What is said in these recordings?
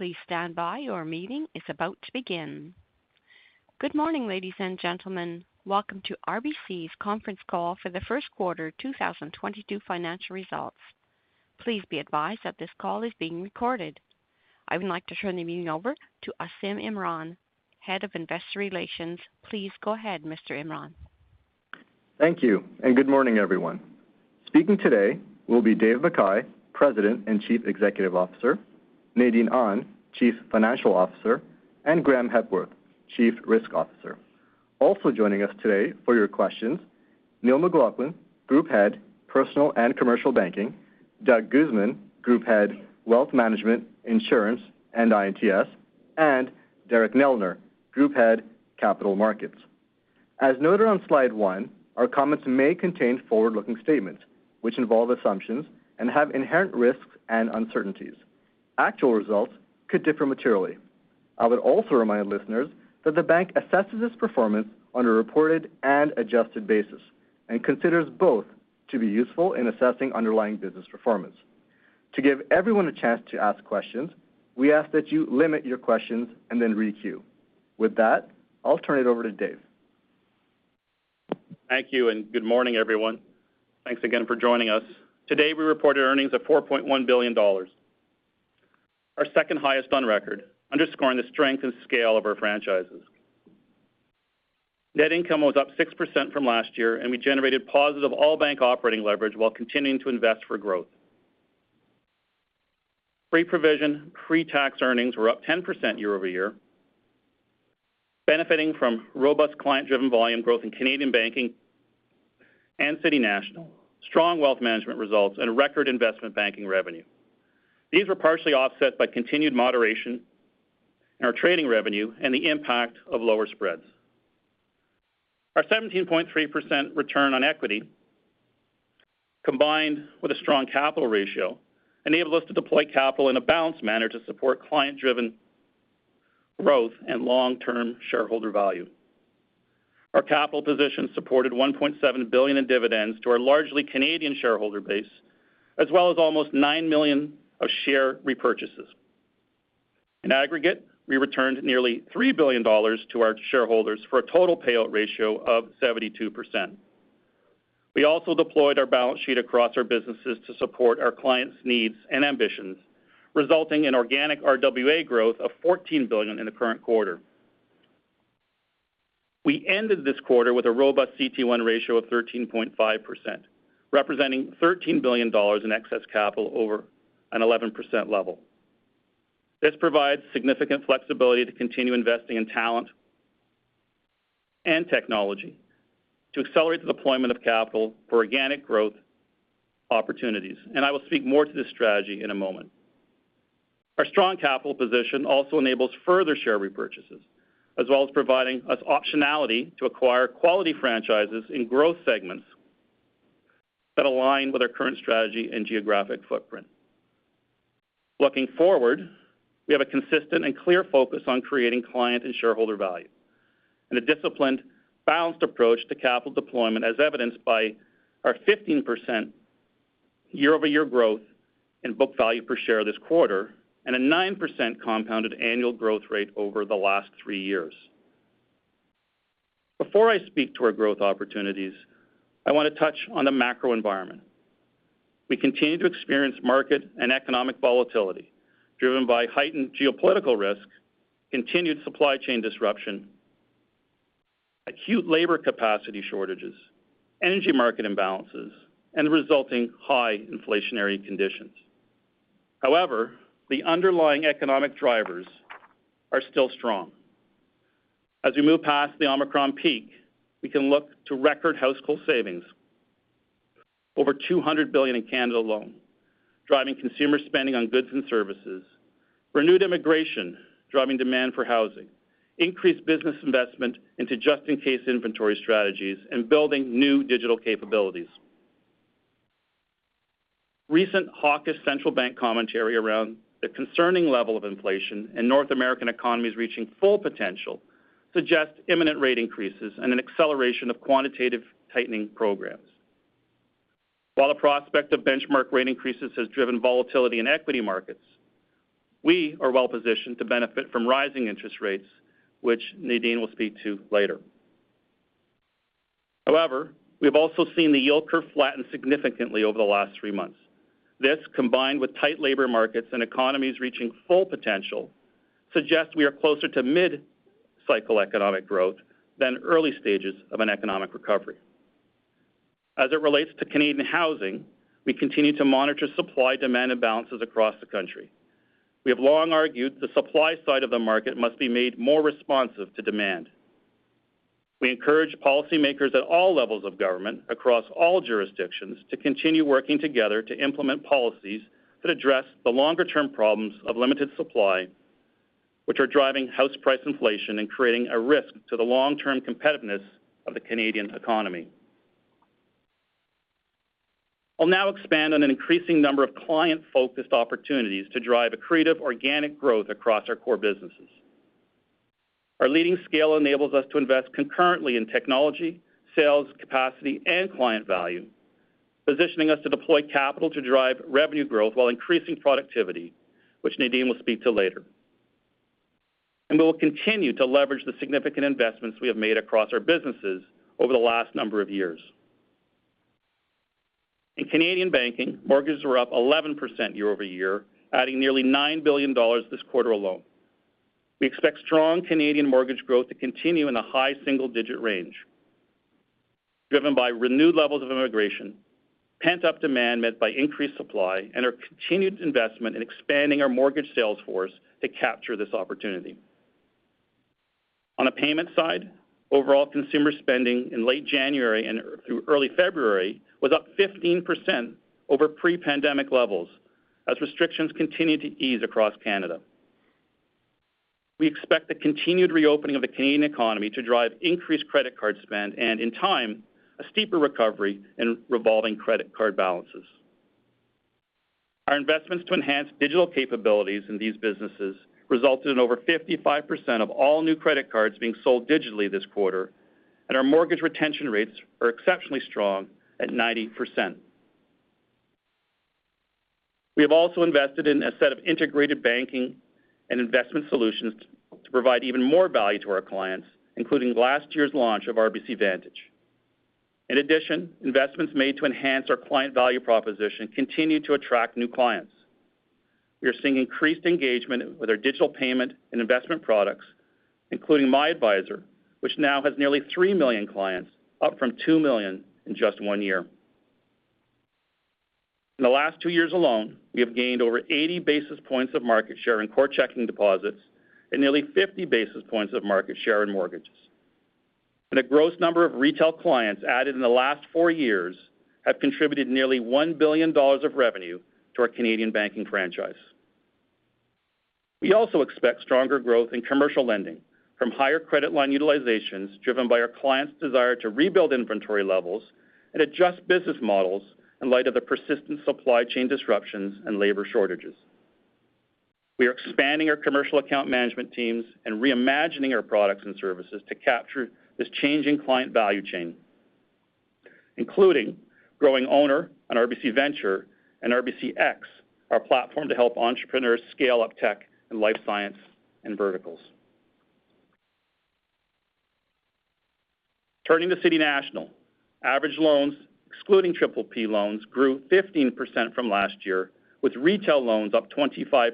Good morning, ladies and gentlemen. Welcome to RBC's conference call for the first quarter 2022 financial results. Please be advised that this call is being recorded. I would like to turn the meeting over to Asim Imran, Head of Investor Relations. Please go ahead, Mr. Imran. Thank you, and good morning, everyone. Speaking today will be David McKay, President and Chief Executive Officer, Nadine Ahn, Chief Financial Officer, and Graeme Hepworth, Chief Risk Officer. Also joining us today for your questions, Neil McLaughlin, Group Head, Personal & Commercial Banking, Doug Guzman, Group Head, Wealth Management, Insurance, and I&TS, and Derek Neldner, Group Head, Capital Markets. As noted on slide one, our comments may contain forward-looking statements which involve assumptions and have inherent risks and uncertainties. Actual results could differ materially. I would also remind listeners that the bank assesses its performance on a reported and adjusted basis and considers both to be useful in assessing underlying business performance. To give everyone a chance to ask questions, we ask that you limit your questions and then re-queue. With that, I'll turn it over to David. Thank you and good morning, everyone. Thanks again for joining us. Today, we reported earnings of 4.1 billion dollars, our second highest on record, underscoring the strength and scale of our franchises. Net income was up 6% from last year, and we generated positive all bank operating leverage while continuing to invest for growth. Pre-provision, pre-tax earnings were up 10% year-over-year, benefiting from robust client-driven volume growth in Canadian banking and City National, strong wealth management results, and a record investment banking revenue. These were partially offset by continued moderation in our trading revenue and the impact of lower spreads. Our 17.3% return on equity combined with a strong capital ratio enabled us to deploy capital in a balanced manner to support client-driven growth and long-term shareholder value. Our capital position supported 1.7 billion in dividends to our largely Canadian shareholder base, as well as almost 9 million of share repurchases. In aggregate, we returned nearly 3 billion dollars to our shareholders for a total payout ratio of 72%. We also deployed our balance sheet across our businesses to support our clients' needs and ambitions, resulting in organic RWA growth of 14 billion in the current quarter. We ended this quarter with a robust CET1 ratio of 13.5%, representing CAD 13 billion in excess capital over an 11% level. This provides significant flexibility to continue investing in talent and technology to accelerate the deployment of capital for organic growth opportunities. I will speak more to this strategy in a moment. Our strong capital position also enables further share repurchases, as well as providing us optionality to acquire quality franchises in growth segments that align with our current strategy and geographic footprint. Looking forward, we have a consistent and clear focus on creating client and shareholder value and a disciplined, balanced approach to capital deployment, as evidenced by our 15% year-over-year growth in book value per share this quarter and a 9% compounded annual growth rate over the last three years. Before I speak to our growth opportunities, I want to touch on the macro environment. We continue to experience market and economic volatility driven by heightened geopolitical risk, continued supply chain disruption, acute labor capacity shortages, energy market imbalances, and resulting high inflationary conditions. However, the underlying economic drivers are still strong. As we move past the Omicron peak, we can look to record household savings over 200 billion in Canada alone, driving consumer spending on goods and services, renewed immigration driving demand for housing, increased business investment into just-in-case inventory strategies, and building new digital capabilities. Recent hawkish central bank commentary around the concerning level of inflation and North American economies reaching full potential suggest imminent rate increases and an acceleration of quantitative tightening programs. While the prospect of benchmark rate increases has driven volatility in equity markets, we are well-positioned to benefit from rising interest rates, which Nadine will speak to later. However, we have also seen the yield curve flatten significantly over the last three months. This, combined with tight labor markets and economies reaching full potential, suggests we are closer to mid-cycle economic growth than early stages of an economic recovery. As it relates to Canadian housing, we continue to monitor supply-demand imbalances across the country. We have long argued the supply side of the market must be made more responsive to demand. We encourage policymakers at all levels of government across all jurisdictions to continue working together to implement policies that address the longer-term problems of limited supply, which are driving house price inflation and creating a risk to the long-term competitiveness of the Canadian economy. I'll now expand on an increasing number of client-focused opportunities to drive accretive organic growth across our core businesses. Our leading scale enables us to invest concurrently in technology, sales, capacity, and client value, positioning us to deploy capital to drive revenue growth while increasing productivity, which Nadine will speak to later. We will continue to leverage the significant investments we have made across our businesses over the last number of years. In Canadian banking, mortgages were up 11% year-over-year, adding nearly 9 billion dollars this quarter alone. We expect strong Canadian mortgage growth to continue in a high single-digit range, driven by renewed levels of immigration, pent-up demand met by increased supply, and our continued investment in expanding our mortgage sales force to capture this opportunity. On a payment side, overall consumer spending in late January and through early February was up 15% over pre-pandemic levels as restrictions continue to ease across Canada. We expect the continued reopening of the Canadian economy to drive increased credit card spend and, in time, a steeper recovery in revolving credit card balances. Our investments to enhance digital capabilities in these businesses resulted in over 55% of all new credit cards being sold digitally this quarter, and our mortgage retention rates are exceptionally strong at 90%. We have also invested in a set of integrated banking and investment solutions to provide even more value to our clients, including last year's launch of RBC Vantage. In addition, investments made to enhance our client value proposition continue to attract new clients. We are seeing increased engagement with our digital payment and investment products, including MyAdvisor, which now has nearly 3 million clients, up from 2 million in just one year. In the last two years alone, we have gained over 80 basis points of market share in core checking deposits and nearly 50 basis points of market share in mortgages. The gross number of retail clients added in the last four years have contributed nearly 1 billion dollars of revenue to our Canadian banking franchise. We also expect stronger growth in commercial lending from higher credit line utilizations driven by our clients' desire to rebuild inventory levels and adjust business models in light of the persistent supply chain disruptions and labor shortages. We are expanding our commercial account management teams and reimagining our products and services to capture this changing client value chain, including growing Ownr and RBC Ventures and RBCx, our platform to help entrepreneurs scale up tech and life science and verticals. Turning to City National, average loans, excluding PPP loans, grew 15% from last year, with retail loans up 25%.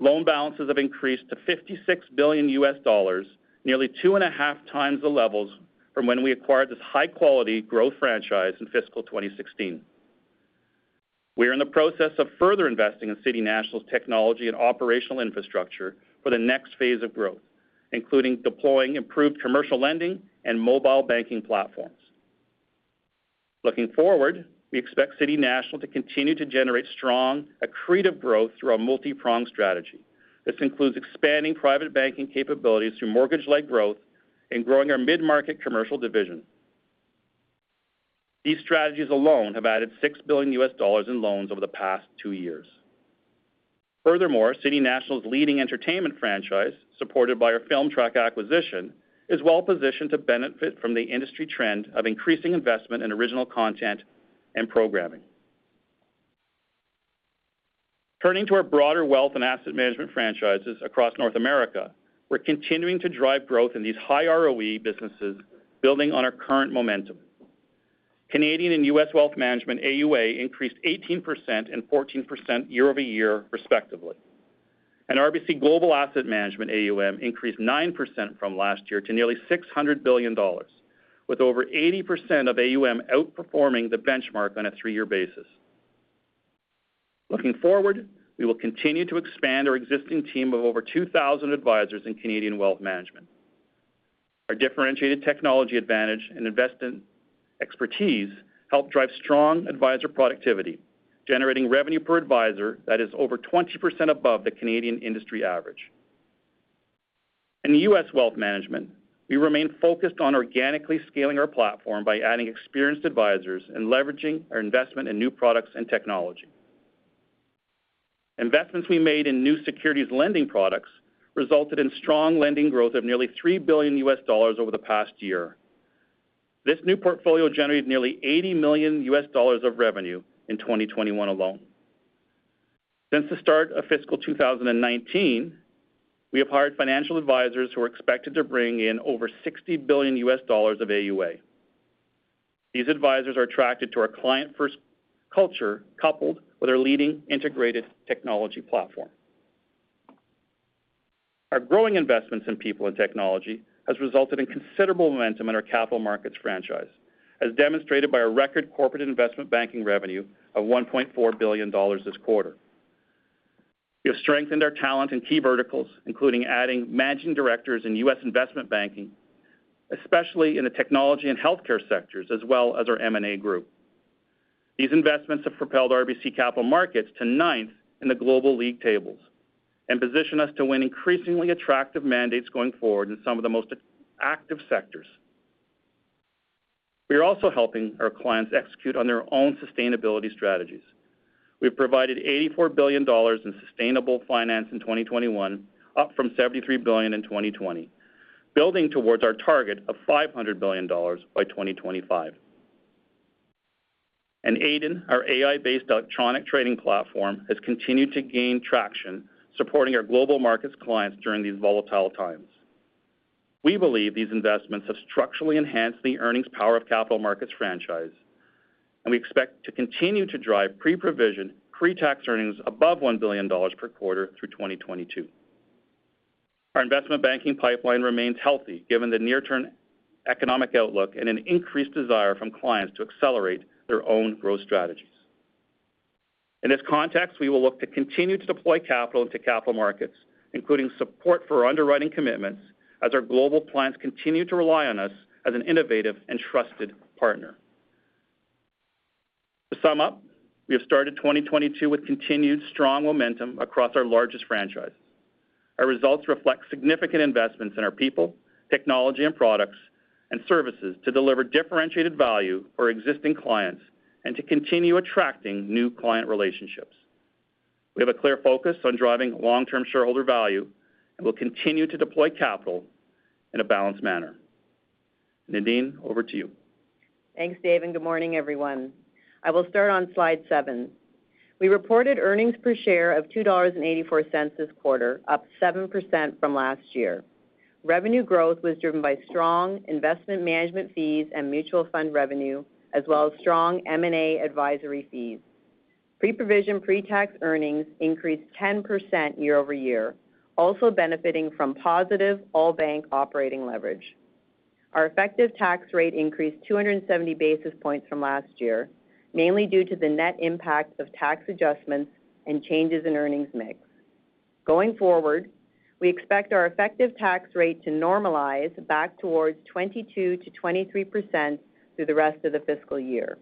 Loan balances have increased to $56 billion, nearly 2.5 times the levels from when we acquired this high-quality growth franchise in fiscal 2016. We are in the process of further investing in City National's technology and operational infrastructure for the next phase of growth, including deploying improved commercial lending and mobile banking platforms. Looking forward, we expect City National to continue to generate strong, accretive growth through our multipronged strategy. This includes expanding private banking capabilities through mortgage-led growth and growing our mid-market commercial division. These strategies alone have added $6 billion in loans over the past two years. Furthermore, City National's leading entertainment franchise, supported by our FilmTrack acquisition, is well-positioned to benefit from the industry trend of increasing investment in original content and programming. Turning to our broader wealth and asset management franchises across North America, we're continuing to drive growth in these high ROE businesses, building on our current momentum. Canadian and U.S. Wealth Management AUA increased 18% and 14% year-over-year, respectively. RBC Global Asset Management AUM increased 9% from last year to nearly 600 billion dollars, with over 80% of AUM outperforming the benchmark on a 3-year basis. Looking forward, we will continue to expand our existing team of over 2,000 advisors in Canadian Wealth Management. Our differentiated technology advantage and investment expertise help drive strong advisor productivity, generating revenue per advisor that is over 20% above the Canadian industry average. In the U.S. Wealth Management, we remain focused on organically scaling our platform by adding experienced advisors and leveraging our investment in new products and technology. Investments we made in new securities lending products resulted in strong lending growth of nearly $3 billion over the past year. This new portfolio generated nearly $80 million of revenue in 2021 alone. Since the start of fiscal 2019, we have hired financial advisors who are expected to bring in over $60 billion of AUA. These advisors are attracted to our client-first culture, coupled with our leading integrated technology platform. Our growing investments in people and technology has resulted in considerable momentum in our capital markets franchise, as demonstrated by our record corporate investment banking revenue of $1.4 billion this quarter. We have strengthened our talent in key verticals, including adding managing directors in U.S. investment banking, especially in the technology and healthcare sectors, as well as our M&A group. These investments have propelled RBC Capital Markets to 9th in the global league tables and position us to win increasingly attractive mandates going forward in some of the most active sectors. We are also helping our clients execute on their own sustainability strategies. We've provided 84 billion dollars in sustainable finance in 2021, up from 73 billion in 2020, building towards our target of 500 billion dollars by 2025. Aiden, our AI-based electronic trading platform, has continued to gain traction, supporting our global markets clients during these volatile times. We believe these investments have structurally enhanced the earnings power of Capital Markets franchise, and we expect to continue to drive pre-provision, pre-tax earnings above 1 billion dollars per quarter through 2022. Our investment banking pipeline remains healthy given the near-term economic outlook and an increased desire from clients to accelerate their own growth strategies. In this context, we will look to continue to deploy capital into capital markets, including support for our underwriting commitments as our global clients continue to rely on us as an innovative and trusted partner. To sum up, we have started 2022 with continued strong momentum across our largest franchise. Our results reflect significant investments in our people, technology and products, and services to deliver differentiated value for existing clients and to continue attracting new client relationships. We have a clear focus on driving long-term shareholder value and will continue to deploy capital in a balanced manner. Nadine, over to you. Thanks, David, and good morning, everyone. I will start on slide 7. We reported earnings per share of 2.84 dollars this quarter, up 7% from last year. Revenue growth was driven by strong investment management fees and mutual fund revenue, as well as strong M&A advisory fees. Pre-provision, pre-tax earnings increased 10% year-over-year, also benefiting from positive all-bank operating leverage. Our effective tax rate increased 270 basis points from last year, mainly due to the net impact of tax adjustments and changes in earnings mix. Going forward, we expect our effective tax rate to normalize back towards 22%-23% through the rest of the fiscal year.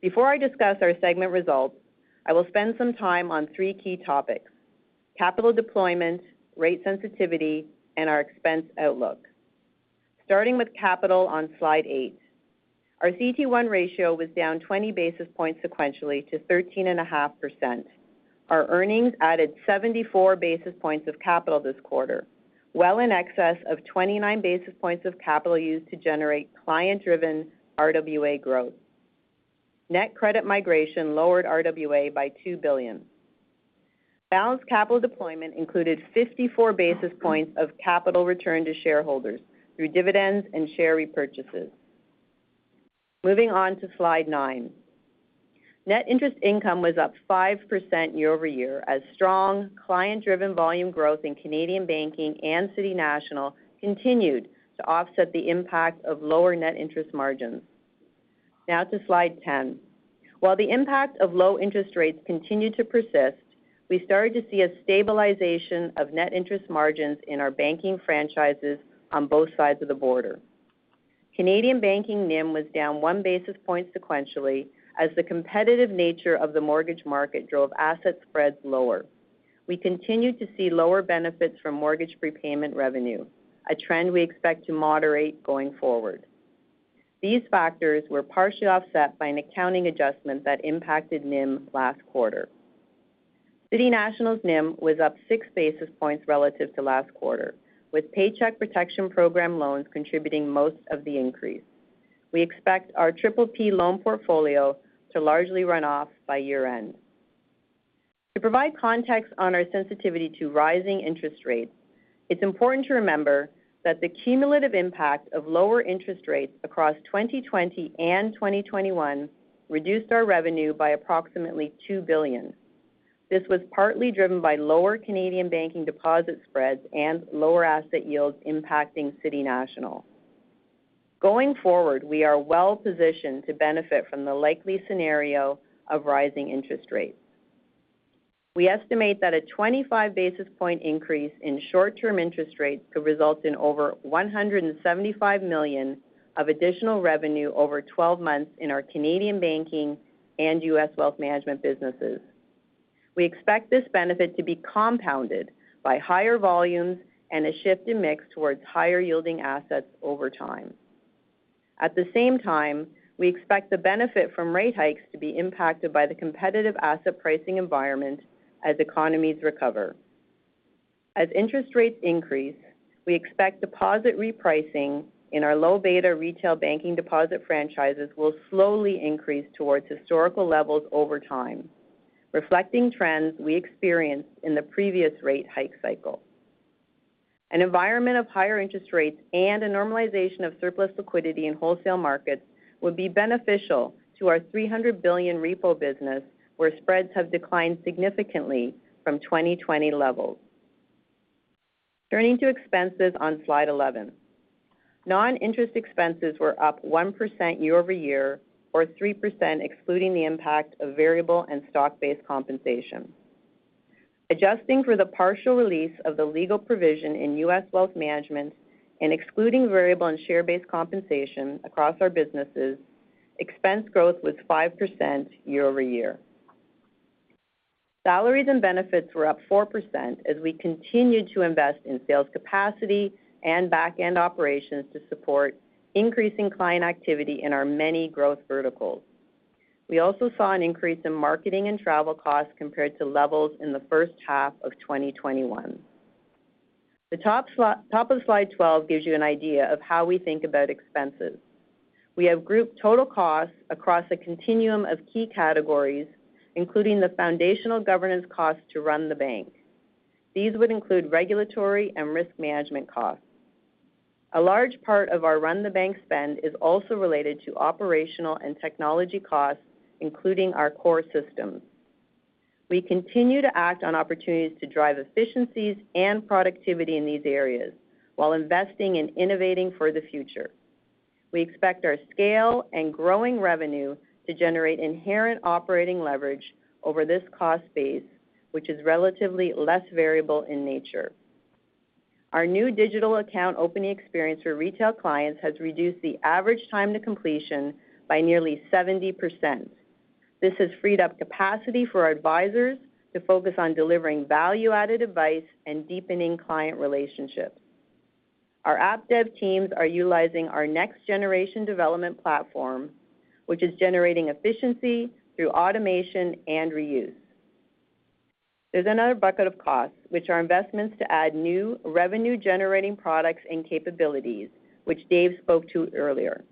Before I discuss our segment results, I will spend some time on 3 key topics, capital deployment, rate sensitivity, and our expense outlook. Starting with capital on slide 8. Our CET1 ratio was down 20 basis points sequentially to 13.5%. Our earnings added 74 basis points of capital this quarter, well in excess of 29 basis points of capital used to generate client-driven RWA growth. Net credit migration lowered RWA by 2 billion. Balanced capital deployment included 54 basis points of capital return to shareholders through dividends and share repurchases. Moving on to Slide 9. Net interest income was up 5% year-over-year as strong client-driven volume growth in Canadian banking and City National continued to offset the impact of lower net interest margins. Now to Slide 10. While the impact of low interest rates continued to persist, we started to see a stabilization of net interest margins in our banking franchises on both sides of the border. Canadian banking NIM was down one basis point sequentially as the competitive nature of the mortgage market drove asset spreads lower. We continued to see lower benefits from mortgage prepayment revenue, a trend we expect to moderate going forward. These factors were partially offset by an accounting adjustment that impacted NIM last quarter. City National's NIM was up six basis points relative to last quarter, with Paycheck Protection Program loans contributing most of the increase. We expect our PPP loan portfolio to largely run off by year-end. To provide context on our sensitivity to rising interest rates, it's important to remember that the cumulative impact of lower interest rates across 2020 and 2021 reduced our revenue by approximately 2 billion. This was partly driven by lower Canadian banking deposit spreads and lower asset yields impacting City National. Going forward, we are well-positioned to benefit from the likely scenario of rising interest rates. We estimate that a 25 basis point increase in short-term interest rates could result in over 175 million of additional revenue over 12 months in our Canadian Banking and U.S. Wealth Management businesses. We expect this benefit to be compounded by higher volumes and a shift in mix towards higher-yielding assets over time. At the same time, we expect the benefit from rate hikes to be impacted by the competitive asset pricing environment as economies recover. As interest rates increase, we expect deposit repricing in our low beta retail banking deposit franchises will slowly increase towards historical levels over time, reflecting trends we experienced in the previous rate hike cycle. An environment of higher interest rates and a normalization of surplus liquidity in wholesale markets would be beneficial to our 300 billion repo business, where spreads have declined significantly from 2020 levels. Turning to expenses on slide 11. Non-interest expenses were up 1% year-over-year or 3% excluding the impact of variable and stock-based compensation. Adjusting for the partial release of the legal provision in U.S. Wealth Management and excluding variable and share-based compensation across our businesses, expense growth was 5% year-over-year. Salaries and benefits were up 4% as we continued to invest in sales capacity and back-end operations to support increasing client activity in our many growth verticals. We also saw an increase in marketing and travel costs compared to levels in the first half of 2021. The top of slide 12 gives you an idea of how we think about expenses. We have grouped total costs across a continuum of key categories, including the foundational governance costs to run the bank. These would include regulatory and risk management costs. A large part of our run the bank spend is also related to operational and technology costs, including our core systems. We continue to act on opportunities to drive efficiencies and productivity in these areas while investing in innovating for the future. We expect our scale and growing revenue to generate inherent operating leverage over this cost base, which is relatively less variable in nature. Our new digital account opening experience for retail clients has reduced the average time to completion by nearly 70%. This has freed up capacity for our advisors to focus on delivering value-added advice and deepening client relationships. Our app dev teams are utilizing our next generation development platform, which is generating efficiency through automation and reuse. There's another bucket of costs which are investments to add new revenue-generating products and capabilities, which David spoke to earlier.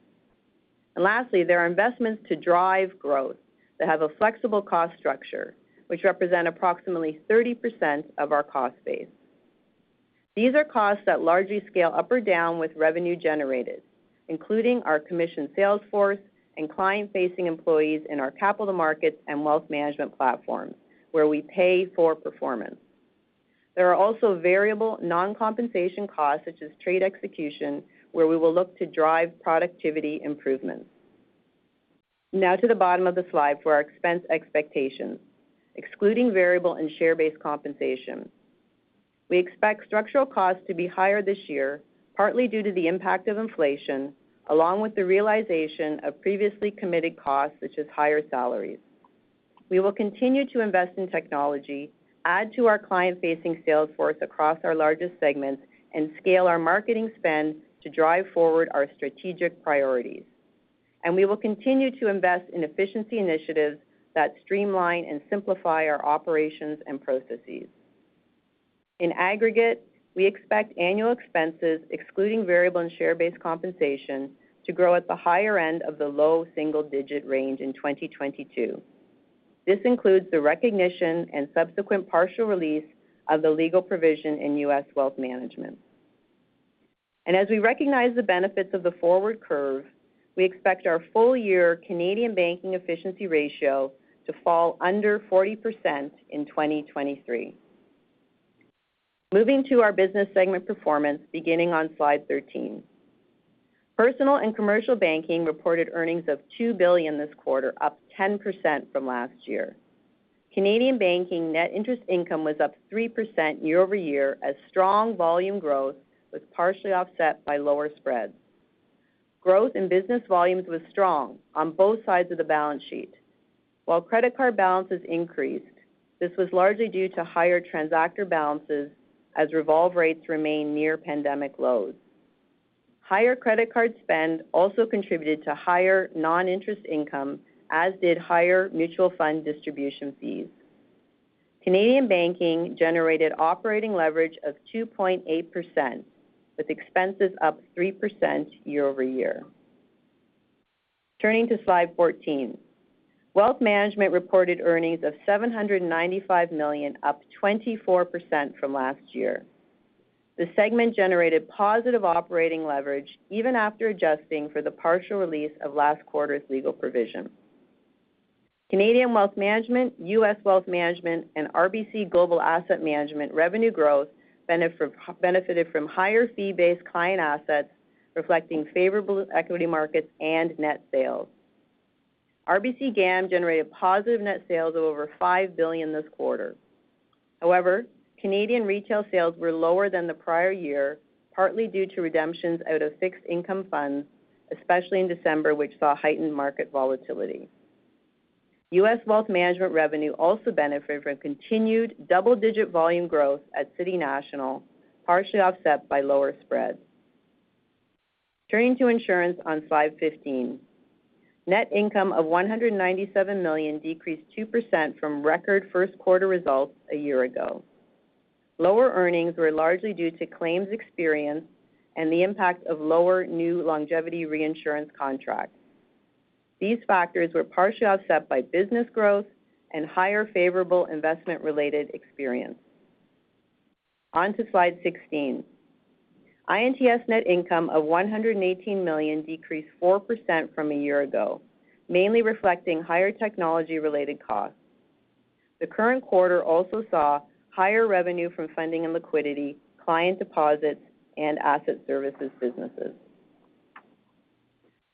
Lastly, there are investments to drive growth that have a flexible cost structure, which represent approximately 30% of our cost base. These are costs that largely scale up or down with revenue generated, including our commission sales force and client-facing employees in our capital markets and wealth management platforms where we pay for performance. There are also variable non-compensation costs, such as trade execution, where we will look to drive productivity improvements. Now to the bottom of the slide for our expense expectations, excluding variable and share-based compensation. We expect structural costs to be higher this year, partly due to the impact of inflation, along with the realization of previously committed costs, such as higher salaries. We will continue to invest in technology, add to our client-facing sales force across our largest segments, and scale our marketing spend to drive forward our strategic priorities. We will continue to invest in efficiency initiatives that streamline and simplify our operations and processes. In aggregate, we expect annual expenses, excluding variable and share-based compensation, to grow at the higher end of the low double-digit range in 2022. This includes the recognition and subsequent partial release of the legal provision in U.S. Wealth Management. As we recognize the benefits of the forward curve, we expect our full year Canadian banking efficiency ratio to fall under 40% in 2023. Moving to our business segment performance beginning on slide 13. Personal & Commercial Banking reported earnings of 2 billion this quarter, up 10% from last year. Canadian banking net interest income was up 3% year-over-year as strong volume growth was partially offset by lower spreads. Growth in business volumes was strong on both sides of the balance sheet. While credit card balances increased, this was largely due to higher transactor balances as revolve rates remain near pandemic lows. Higher credit card spend also contributed to higher non-interest income, as did higher mutual fund distribution fees. Canadian banking generated operating leverage of 2.8%, with expenses up 3% year-over-year. Turning to slide 14. Wealth Management reported earnings of 795 million, up 24% from last year. The segment generated positive operating leverage even after adjusting for the partial release of last quarter's legal provision. Canadian Wealth Management, U.S. Wealth Management, and RBC Global Asset Management revenue growth benefited from higher fee-based client assets reflecting favorable equity markets and net sales. RBC GAM generated positive net sales of over 5 billion this quarter. However, Canadian retail sales were lower than the prior year, partly due to redemptions out of fixed income funds, especially in December, which saw heightened market volatility. U.S. Wealth Management revenue also benefited from continued double-digit volume growth at City National, partially offset by lower spreads. Turning to insurance on slide 15. Net income of 197 million decreased 2% from record first quarter results a year ago. Lower earnings were largely due to claims experience and the impact of lower new longevity reinsurance contracts. These factors were partially offset by business growth and higher favorable investment-related experience. On to slide 16. I&TS net income of 118 million decreased 4% from a year ago, mainly reflecting higher technology-related costs. The current quarter also saw higher revenue from funding and liquidity, client deposits, and asset services businesses.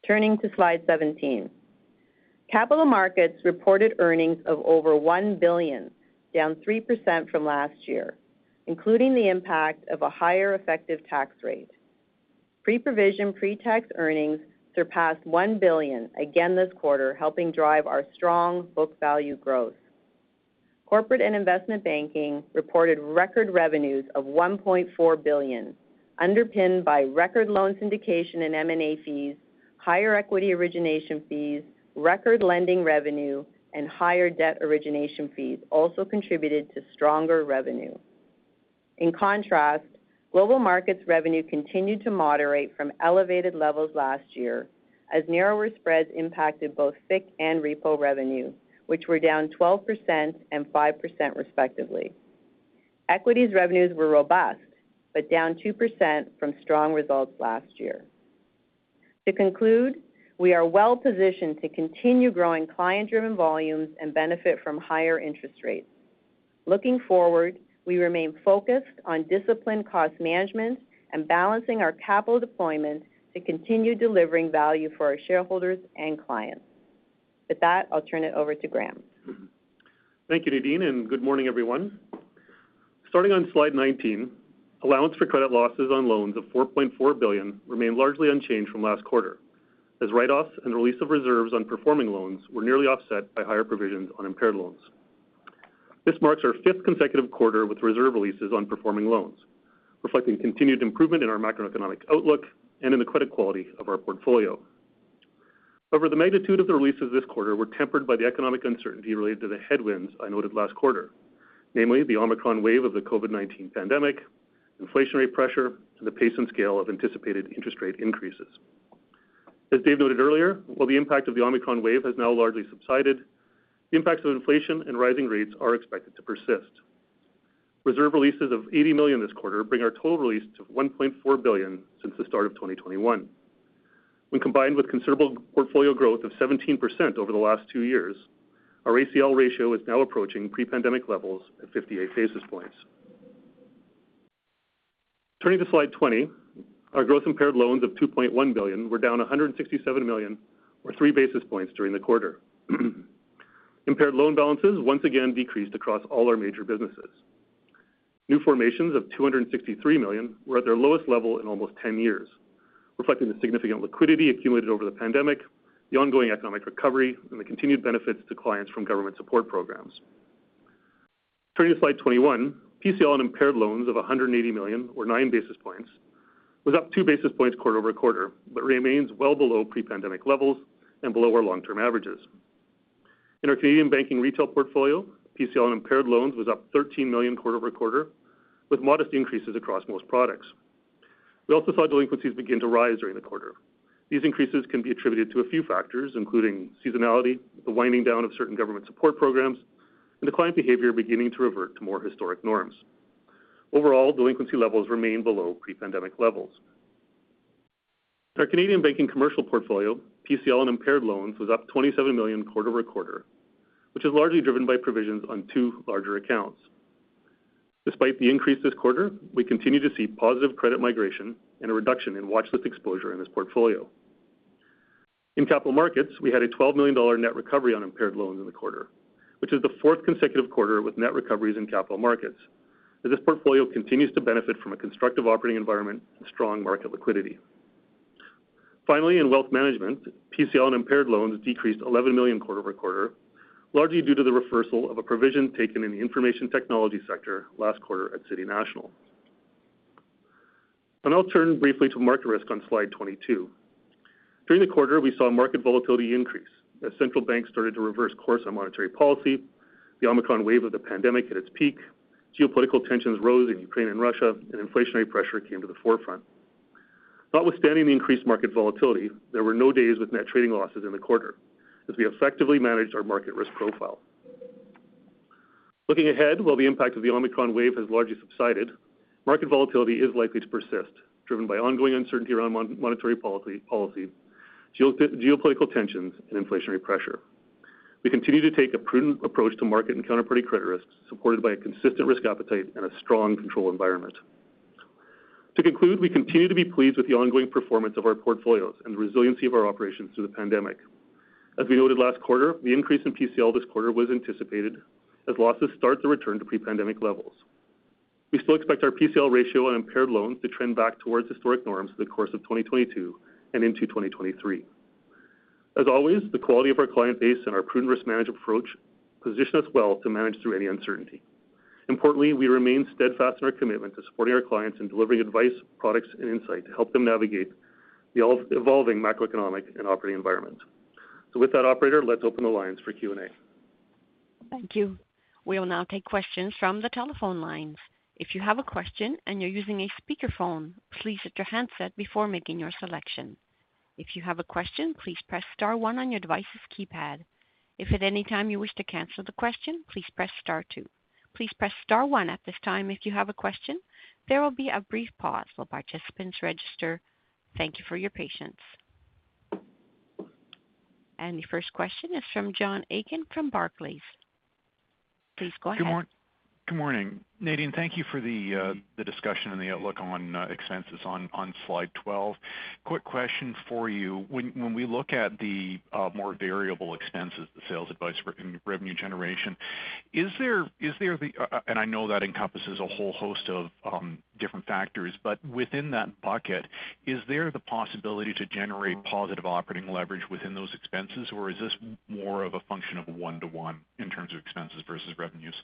Turning to slide 17. Capital Markets reported earnings of over 1 billion, down 3% from last year, including the impact of a higher effective tax rate. Pre-provision, pre-tax earnings surpassed 1 billion again this quarter, helping drive our strong book value growth. Corporate and investment banking reported record revenues of 1.4 billion, underpinned by record loan syndication and M&A fees, higher equity origination fees, record lending revenue, and higher debt origination fees also contributed to stronger revenue. In contrast, global markets revenue continued to moderate from elevated levels last year as narrower spreads impacted both FICC and repo revenue, which were down 12% and 5% respectively. Equities revenues were robust, but down 2% from strong results last year. To conclude, we are well-positioned to continue growing client-driven volumes and benefit from higher interest rates. Looking forward, we remain focused on disciplined cost management and balancing our capital deployment to continue delivering value for our shareholders and clients. With that, I'll turn it over to Graeme Thank you, Nadine, and good morning, everyone. Starting on slide 19, allowance for credit losses on loans of 4.4 billion remain largely unchanged from last quarter, as write-offs and release of reserves on performing loans were nearly offset by higher provisions on impaired loans. This marks our fifth consecutive quarter with reserve releases on performing loans, reflecting continued improvement in our macroeconomic outlook and in the credit quality of our portfolio. However, the magnitude of the releases this quarter were tempered by the economic uncertainty related to the headwinds I noted last quarter, namely the Omicron wave of the COVID-19 pandemic, inflationary pressure, and the pace and scale of anticipated interest rate increases. As David noted earlier, while the impact of the Omicron wave has now largely subsided, the impacts of inflation and rising rates are expected to persist. Reserve releases of 80 million this quarter bring our total release to 1.4 billion since the start of 2021. When combined with considerable portfolio growth of 17% over the last two years, our ACL ratio is now approaching pre-pandemic levels at 58 basis points. Turning to slide 20, our gross impaired loans of 2.1 billion were down 167 million, or 3 basis points during the quarter. Impaired loan balances once again decreased across all our major businesses. New formations of 263 million were at their lowest level in almost 10 years, reflecting the significant liquidity accumulated over the pandemic, the ongoing economic recovery, and the continued benefits to clients from government support programs. Turning to slide 21, PCL and impaired loans of 180 million or 9 basis points was up 2 basis points quarter-over-quarter, but remains well below pre-pandemic levels and below our long-term averages. In our Canadian banking retail portfolio, PCL and impaired loans was up 13 million quarter-over-quarter, with modest increases across most products. We also saw delinquencies begin to rise during the quarter. These increases can be attributed to a few factors, including seasonality, the winding down of certain government support programs, and the client behavior beginning to revert to more historic norms. Overall, delinquency levels remain below pre-pandemic levels. In our Canadian banking commercial portfolio, PCL and impaired loans was up 27 million quarter-over-quarter, which is largely driven by provisions on two larger accounts. Despite the increase this quarter, we continue to see positive credit migration and a reduction in watchlist exposure in this portfolio. In Capital Markets, we had a 12 million dollar net recovery on impaired loans in the quarter, which is the fourth consecutive quarter with net recoveries in Capital Markets, as this portfolio continues to benefit from a constructive operating environment and strong market liquidity. Finally, in Wealth Management, PCL and impaired loans decreased 11 million quarter-over-quarter, largely due to the reversal of a provision taken in the information technology sector last quarter at City National. I'll turn briefly to market risk on slide 22. During the quarter, we saw market volatility increase as central banks started to reverse course on monetary policy, the Omicron wave of the pandemic at its peak, geopolitical tensions rose in Ukraine and Russia, and inflationary pressure came to the forefront. Notwithstanding the increased market volatility, there were no days with net trading losses in the quarter as we effectively managed our market risk profile. Looking ahead, while the impact of the Omicron wave has largely subsided, market volatility is likely to persist, driven by ongoing uncertainty around monetary policy, geopolitical tensions, and inflationary pressure. We continue to take a prudent approach to market and counterparty credit risks, supported by a consistent risk appetite and a strong control environment. To conclude, we continue to be pleased with the ongoing performance of our portfolios and the resiliency of our operations through the pandemic. As we noted last quarter, the increase in PCL this quarter was anticipated as losses start to return to pre-pandemic levels. We still expect our PCL ratio on impaired loans to trend back towards historic norms through the course of 2022 and into 2023. As always, the quality of our client base and our prudent risk management approach position us well to manage through any uncertainty. Importantly, we remain steadfast in our commitment to supporting our clients and delivering advice, products, and insight to help them navigate the evolving macroeconomic and operating environment. With that, operator, let's open the lines for Q&A. Thank you. We will now take questions from the telephone lines. The first question is from John Aiken from Barclays. Please go ahead. Good morning. Nadine, thank you for the discussion and the outlook on expenses on slide 12. Quick question for you. When we look at the more variable expenses, the sales advisory in revenue generation, and I know that encompasses a whole host of different factors, but within that bucket, is there the possibility to generate positive operating leverage within those expenses, or is this more of a function of one-to-one in terms of expenses versus revenues?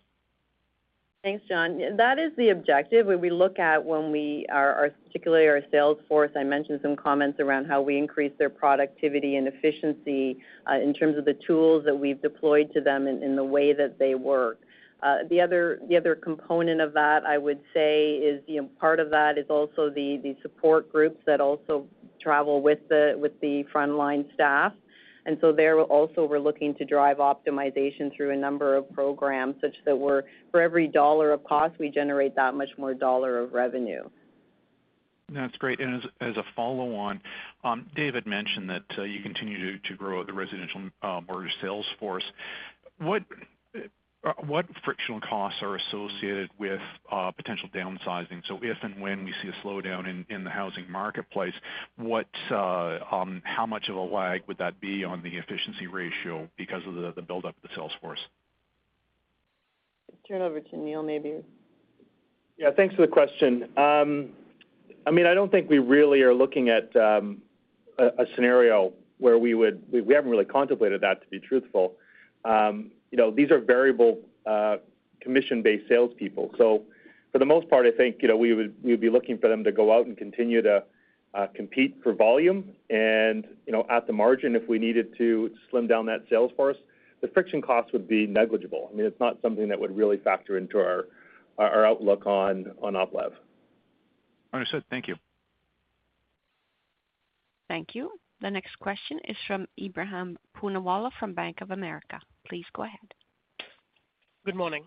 Thanks, John. That is the objective. When we look at particularly our sales force, I mentioned some comments around how we increase their productivity and efficiency in terms of the tools that we've deployed to them and in the way that they work. The other component of that, I would say, is part of that is also the support groups that also travel with the frontline staff. There also we're looking to drive optimization through a number of programs such that we're for every dollar of cost, we generate that much more dollar of revenue. That's great. As a follow-on, David had mentioned that you continue to grow the residential mortgage sales force. What frictional costs are associated with potential downsizing? If and when we see a slowdown in the housing marketplace, how much of a lag would that be on the efficiency ratio because of the buildup of the sales force? Turn over to Neil, maybe. Yeah, thanks for the question. I mean, I don't think we really are looking at a scenario. We haven't really contemplated that, to be truthful. You know, these are variable commission-based salespeople. So for the most part, I think, you know, we'd be looking for them to go out and continue to compete for volume. You know, at the margin, if we needed to slim down that sales force, the friction cost would be negligible. I mean, it's not something that would really factor into our outlook on op lev. Understood. Thank you. Thank you. The next question is from Ebrahim Poonawala from Bank of America. Please go ahead. Good morning.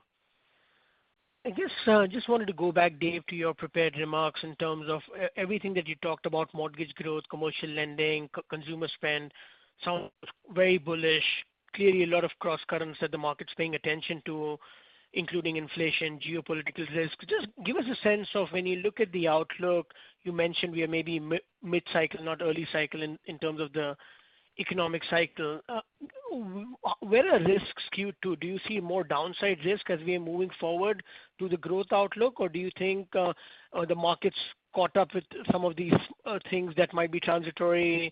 I guess just wanted to go back, David, to your prepared remarks in terms of everything that you talked about mortgage growth, commercial lending, consumer spend. Sounds very bullish. Clearly, a lot of crosscurrents that the market's paying attention to, including inflation, geopolitical risk. Just give us a sense of when you look at the outlook. You mentioned we are maybe mid-cycle, not early cycle in terms of the economic cycle. Where are risks skewed to? Do you see more downside risk as we are moving forward to the growth outlook, or do you think the market's caught up with some of these things that might be transitory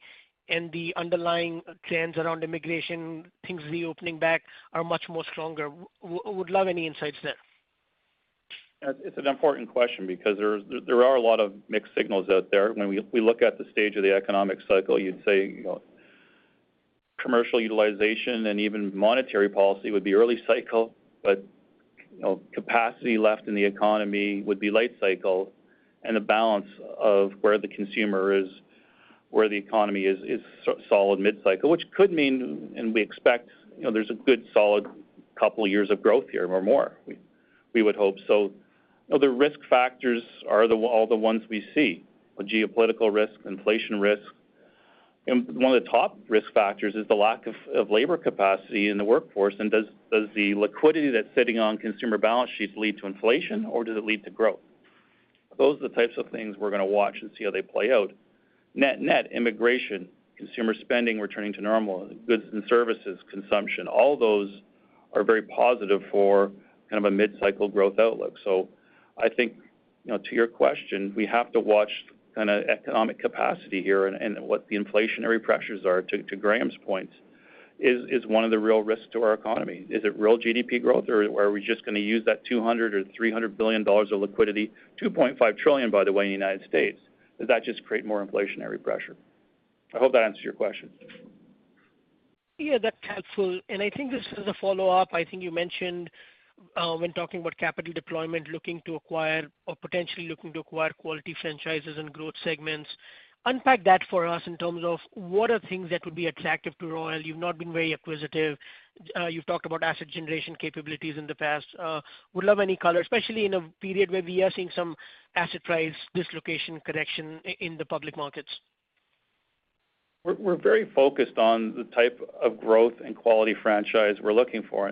and the underlying trends around immigration, things reopening back are much more stronger? Would love any insights there. It's an important question because there are a lot of mixed signals out there. When we look at the stage of the economic cycle, you'd say, you know, commercial utilization and even monetary policy would be early cycle, but, you know, capacity left in the economy would be late cycle. The balance of where the consumer is, where the economy is so solid mid-cycle, which could mean, and we expect, you know, there's a good solid couple of years of growth here or more, we would hope. The risk factors are all the ones we see, geopolitical risk, inflation risk. One of the top risk factors is the lack of labor capacity in the workforce. Does the liquidity that's sitting on consumer balance sheets lead to inflation or does it lead to growth? Those are the types of things we're going to watch and see how they play out. Net-net, immigration, consumer spending returning to normal, goods and services consumption, all those are very positive for kind of a mid-cycle growth outlook. I think, you know, to your question, we have to watch kind of economic capacity here and what the inflationary pressures are, to Graham's point, is one of the real risks to our economy. Is it real GDP growth or are we just going to use that $200 billion or $300 billion of liquidity, $2.5 trillion, by the way, in the United States? Does that just create more inflationary pressure? I hope that answers your question. Yeah, that's helpful. I think just as a follow-up, I think you mentioned, when talking about capital deployment, looking to acquire or potentially looking to acquire quality franchises and growth segments. Unpack that for us in terms of what are things that would be attractive to Royal. You've not been very acquisitive. You've talked about asset generation capabilities in the past. Would love any color, especially in a period where we are seeing some asset price dislocation correction in the public markets. We're very focused on the type of growth and quality franchise we're looking for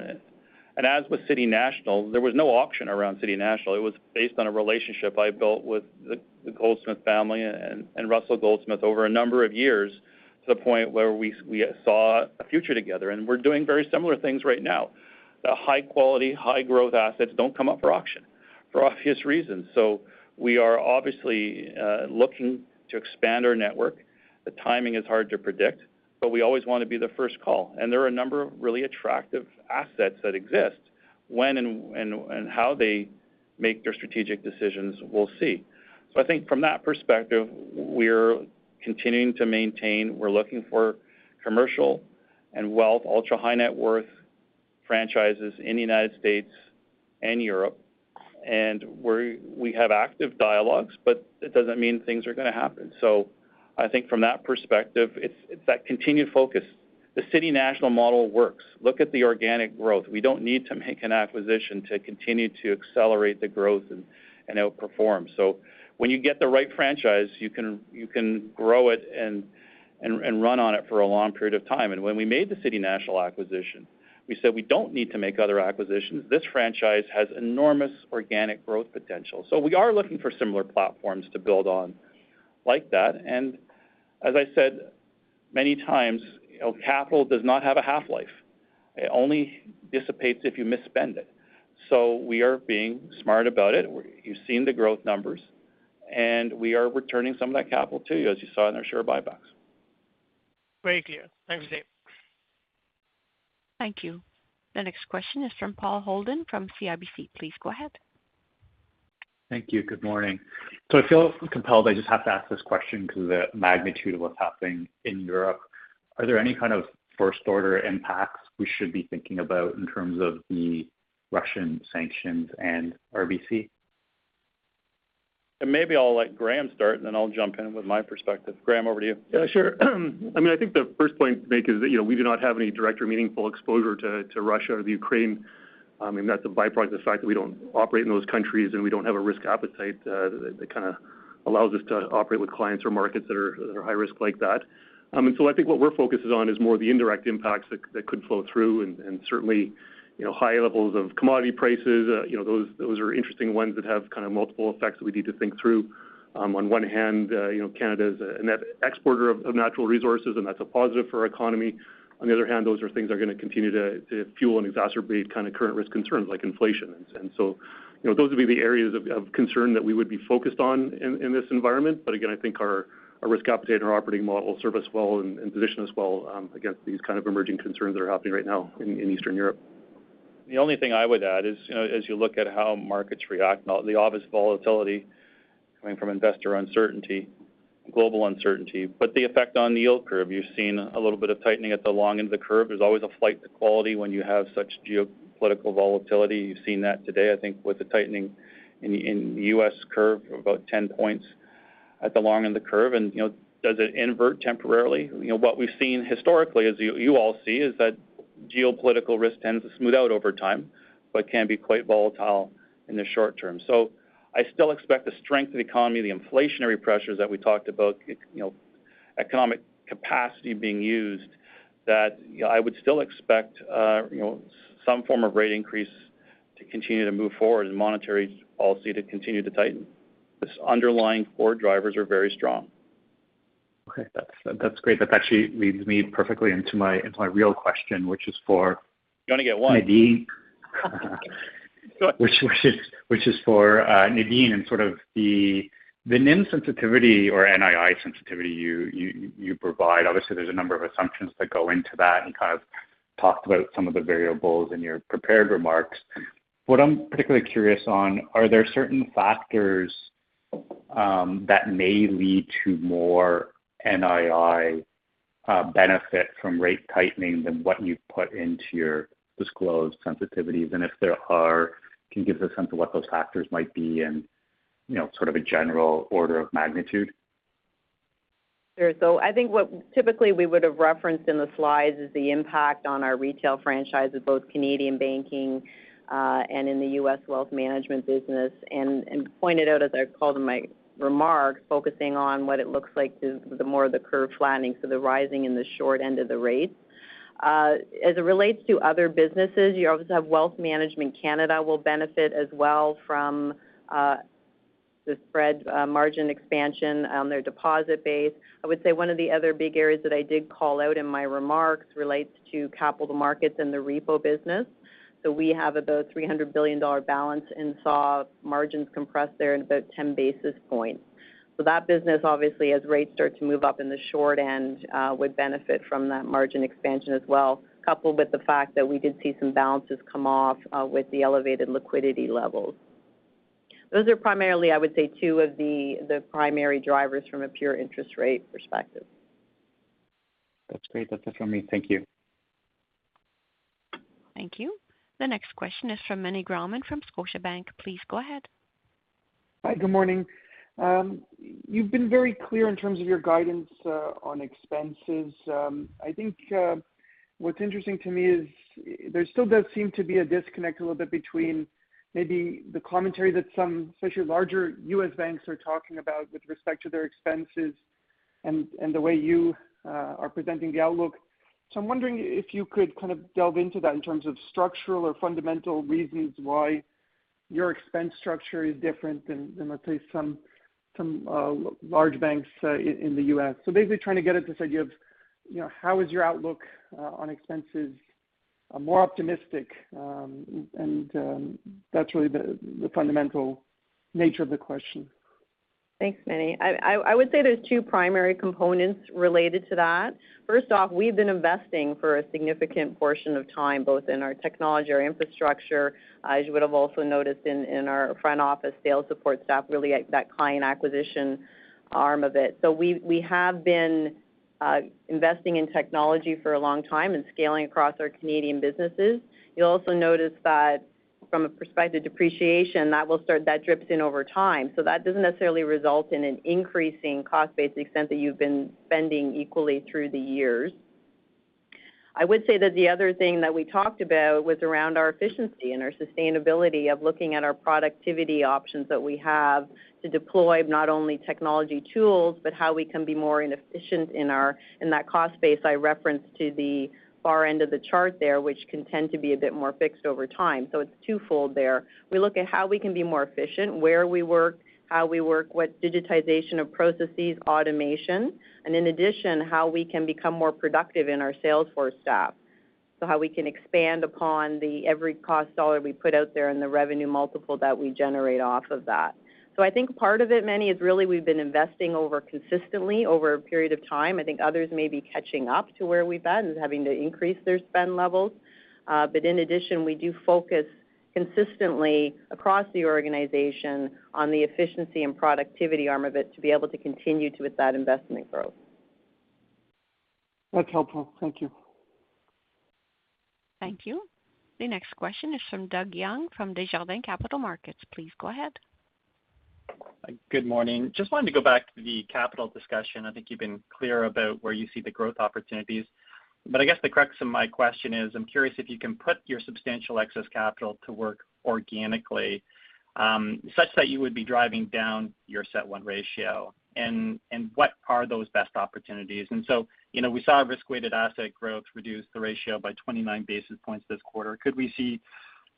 in it. As with City National, there was no auction around City National. It was based on a relationship I built with the Goldsmith family and Russell Goldsmith over a number of years to the point where we saw a future together. We're doing very similar things right now. The high quality, high growth assets don't come up for auction for obvious reasons. We are obviously looking to expand our network. The timing is hard to predict, but we always want to be the first call. There are a number of really attractive assets that exist. When and how they make their strategic decisions, we'll see. I think from that perspective, we're continuing to maintain. We're looking for commercial and wealth, ultra-high net worth franchises in the United States and Europe. We have active dialogues, but it doesn't mean things are going to happen. I think from that perspective, it's that continued focus. The City National model works. Look at the organic growth. We don't need to make an acquisition to continue to accelerate the growth and run on it for a long period of time. When we made the City National acquisition, we said we don't need to make other acquisitions. This franchise has enormous organic growth potential. We are looking for similar platforms to build on like that. As I said many times, you know, capital does not have a half-life. It only dissipates if you misspend it. We are being smart about it. You've seen the growth numbers, and we are returning some of that capital to you, as you saw in our share buybacks. Very clear. Thanks, David. Thank you. The next question is from Paul Holden from CIBC. Please go ahead. Thank you. Good morning. I feel compelled, I just have to ask this question because of the magnitude of what's happening in Europe. Are there any kind of first order impacts we should be thinking about in terms of the Russian sanctions and RBC? Maybe I'll let Graeme start, and then I'll jump in with my perspective. Graeme, over to you. Yeah, sure. I mean, I think the first point to make is that, you know, we do not have any direct or meaningful exposure to Russia or the Ukraine. I mean, that's a byproduct of the fact that we don't operate in those countries, and we don't have a risk appetite that kinda allows us to operate with clients or markets that are high risk like that. I think what we're focused on is more the indirect impacts that could flow through and certainly, you know, high levels of commodity prices. You know, those are interesting ones that have kind of multiple effects that we need to think through. On one hand, you know, Canada is a net exporter of natural resources, and that's a positive for our economy. On the other hand, those are things that are gonna continue to fuel and exacerbate kind of current risk concerns like inflation. You know, those would be the areas of concern that we would be focused on in this environment. Again, I think our risk appetite and our operating model serve us well and position us well against these kind of emerging concerns that are happening right now in Eastern Europe. The only thing I would add is, you know, as you look at how markets react, now the obvious volatility coming from investor uncertainty, global uncertainty. The effect on the yield curve, you've seen a little bit of tightening at the long end of the curve. There's always a flight to quality when you have such geopolitical volatility. You've seen that today, I think with the tightening in the U.S. curve of about 10 points at the long end of the curve. You know, does it invert temporarily? You know, what we've seen historically, as you all see, is that geopolitical risk tends to smooth out over time, but can be quite volatile in the short term. I still expect the strength of the economy, the inflationary pressures that we talked about, you know, economic capacity being used, that I would still expect, you know, some form of rate increase to continue to move forward and monetary policy to continue to tighten. These underlying core drivers are very strong. Okay, that's great. That actually leads me perfectly into my real question, which is for Nadine. You only get one. Nadine. Which is for Nadine and sort of the NIM sensitivity or NII sensitivity you provide. Obviously, there's a number of assumptions that go into that and kind of talked about some of the variables in your prepared remarks. What I'm particularly curious on, are there certain factors that may lead to more NII benefit from rate tightening than what you've put into your disclosed sensitivities? And if there are, can you give us a sense of what those factors might be and, you know, sort of a general order of magnitude? Sure. I think what typically we would have referenced in the slides is the impact on our retail franchises, both Canadian banking and in the U.S. Wealth Management business, pointed out as I called in my remarks, focusing on what it looks like to the more of the curve flattening, so the rising in the short end of the rates. As it relates to other businesses, you obviously have Canadian Wealth Management will benefit as well from the spread margin expansion on their deposit base. I would say one of the other big areas that I did call out in my remarks relates to Capital Markets and the repo business. We have about 300 billion dollar balance and saw margins compress there in about 10 basis points. That business, obviously, as rates start to move up in the short end, would benefit from that margin expansion as well, coupled with the fact that we did see some balances come off, with the elevated liquidity levels. Those are primarily, I would say, two of the primary drivers from a pure interest rate perspective. That's great. That's it from me. Thank you. Thank you. The next question is from Meny Grauman from Scotiabank. Please go ahead. Hi, good morning. You've been very clear in terms of your guidance on expenses. I think what's interesting to me is there still does seem to be a disconnect a little bit between maybe the commentary that some, especially larger U.S. banks are talking about with respect to their expenses and the way you are presenting the outlook. I'm wondering if you could kind of delve into that in terms of structural or fundamental reasons why your expense structure is different than let's say some large banks in the U.S. Basically trying to get at this idea of, you know, how is your outlook on expenses more optimistic? That's really the fundamental nature of the question. Thanks, Manny. I would say there's two primary components related to that. First off, we've been investing for a significant portion of time, both in our technology, our infrastructure, as you would have also noticed in our front office sales support staff, really at that client acquisition arm of it. We have been investing in technology for a long time and scaling across our Canadian businesses. You'll also notice that from a depreciation perspective, that drips in over time. That doesn't necessarily result in an increasing cost base to the extent that you've been spending equally through the years. I would say that the other thing that we talked about was around our efficiency and our sustainability of looking at our productivity options that we have to deploy not only technology tools, but how we can be more efficient in that cost base I referenced to the far end of the chart there, which can tend to be a bit more fixed over time. It's twofold there. We look at how we can be more efficient, where we work, how we work, with digitization of processes, automation, and in addition, how we can become more productive in our sales force staff. How we can expand upon every cost dollar we put out there and the revenue multiple that we generate off of that. I think part of it, Manny, is really we've been investing consistently over a period of time. I think others may be catching up to where we've been, having to increase their spend levels. In addition, we do focus consistently across the organization on the efficiency and productivity arm of it to be able to continue with that investment growth. That's helpful. Thank you. Thank you. The next question is from Doug Young from Desjardins Capital Markets. Please go ahead. Good morning. Just wanted to go back to the capital discussion. I think you've been clear about where you see the growth opportunities. I guess the crux of my question is, I'm curious if you can put your substantial excess capital to work organically, such that you would be driving down your CET1 ratio and what are those best opportunities? You know, we saw risk-weighted asset growth reduce the ratio by 29 basis points this quarter. Could we see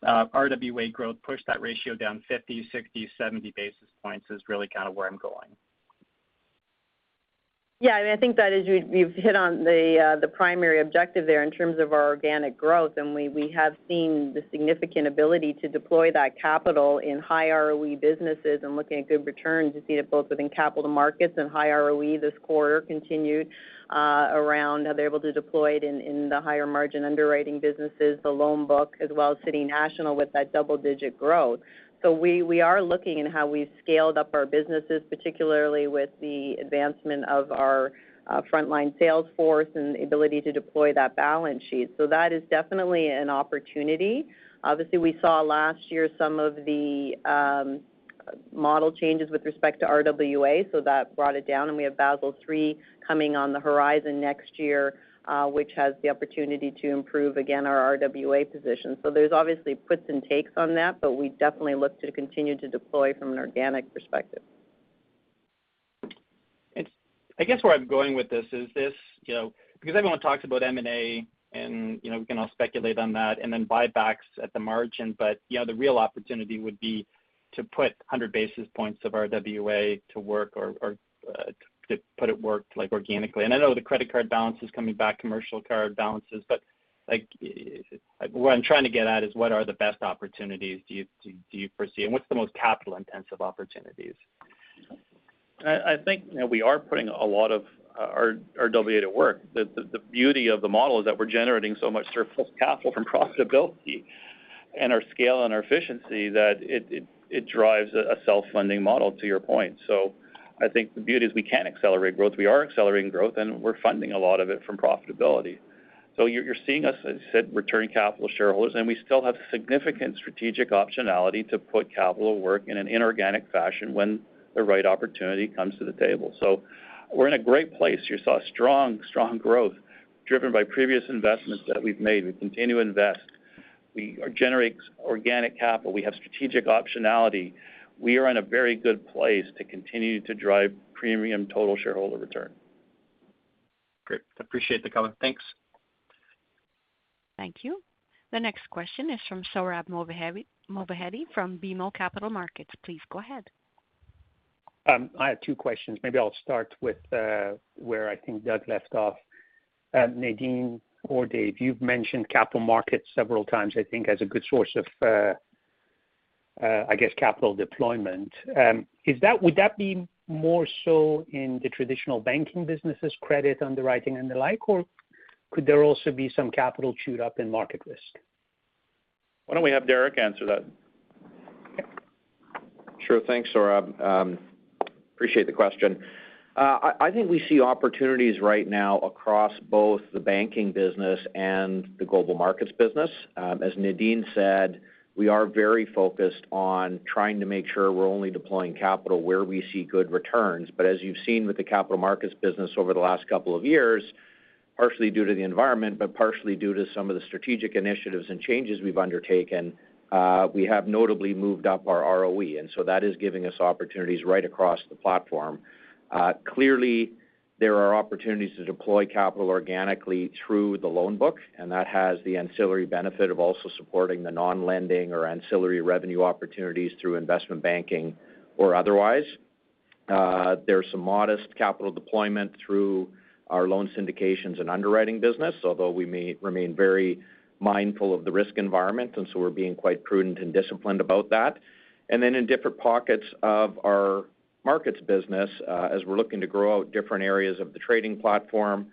RWA growth push that ratio down 50, 60, 70 basis points? Is really kind of where I'm going. Yeah, I think we've hit on the primary objective there in terms of our organic growth, and we have seen the significant ability to deploy that capital in high ROE businesses and looking at good returns. You see it both within Capital Markets and high ROE this quarter continued, and they're able to deploy it in the higher margin underwriting businesses, the loan book, as well as City National with that double-digit growth. We are looking at how we've scaled up our businesses, particularly with the advancement of our frontline sales force and the ability to deploy that balance sheet. That is definitely an opportunity. Obviously, we saw last year some of the model changes with respect to RWA, so that brought it down, and we have Basel III coming on the horizon next year, which has the opportunity to improve again our RWA position. So there's obviously puts and takes on that, but we definitely look to continue to deploy from an organic perspective. I guess where I'm going with this is this, you know, because everyone talks about M&A, and, you know, we can all speculate on that and then buybacks at the margin. You know, the real opportunity would be to put 100 basis points of RWA to work or to put it to work like organically. I know the credit card balance is coming back, commercial card balances. Like, what I'm trying to get at is what are the best opportunities do you foresee, and what's the most capital-intensive opportunities? I think, you know, we are putting a lot of our RWA to work. The beauty of the model is that we're generating so much surplus capital from profitability and our scale and our efficiency that it drives a self-funding model to your point. I think the beauty is we can accelerate growth, we are accelerating growth, and we're funding a lot of it from profitability. You're seeing us, as you said, returning capital to shareholders, and we still have significant strategic optionality to put capital to work in an inorganic fashion when the right opportunity comes to the table. We're in a great place. You saw strong growth driven by previous investments that we've made. We continue to invest. We generate organic capital. We have strategic optionality. We are in a very good place to continue to drive premium total shareholder return. Great. Appreciate the color. Thanks. Thank you. The next question is from Sohrab Movahedi from BMO Capital Markets. Please go ahead. I have two questions. Maybe I'll start with where I think Doug left off. Nadine or David, you've mentioned Capital Markets several times, I think, as a good source of, I guess, capital deployment. Would that be more so in the traditional banking businesses, credit underwriting and the like, or could there also be some capital used up in market risk? Why don't we have Derek answer that? Sure. Thanks, Sohrab. Appreciate the question. I think we see opportunities right now across both the banking business and the global markets business. As Nadine said, we are very focused on trying to make sure we're only deploying capital where we see good returns. As you've seen with the Capital Markets business over the last couple of years, partially due to the environment, but partially due to some of the strategic initiatives and changes we've undertaken, we have notably moved up our ROE, and so that is giving us opportunities right across the platform. Clearly, there are opportunities to deploy capital organically through the loan book, and that has the ancillary benefit of also supporting the non-lending or ancillary revenue opportunities through investment banking or otherwise. There's some modest capital deployment through our loan syndications and underwriting business, although we may remain very mindful of the risk environment, and so we're being quite prudent and disciplined about that. In different pockets of our markets business, as we're looking to grow out different areas of the trading platform,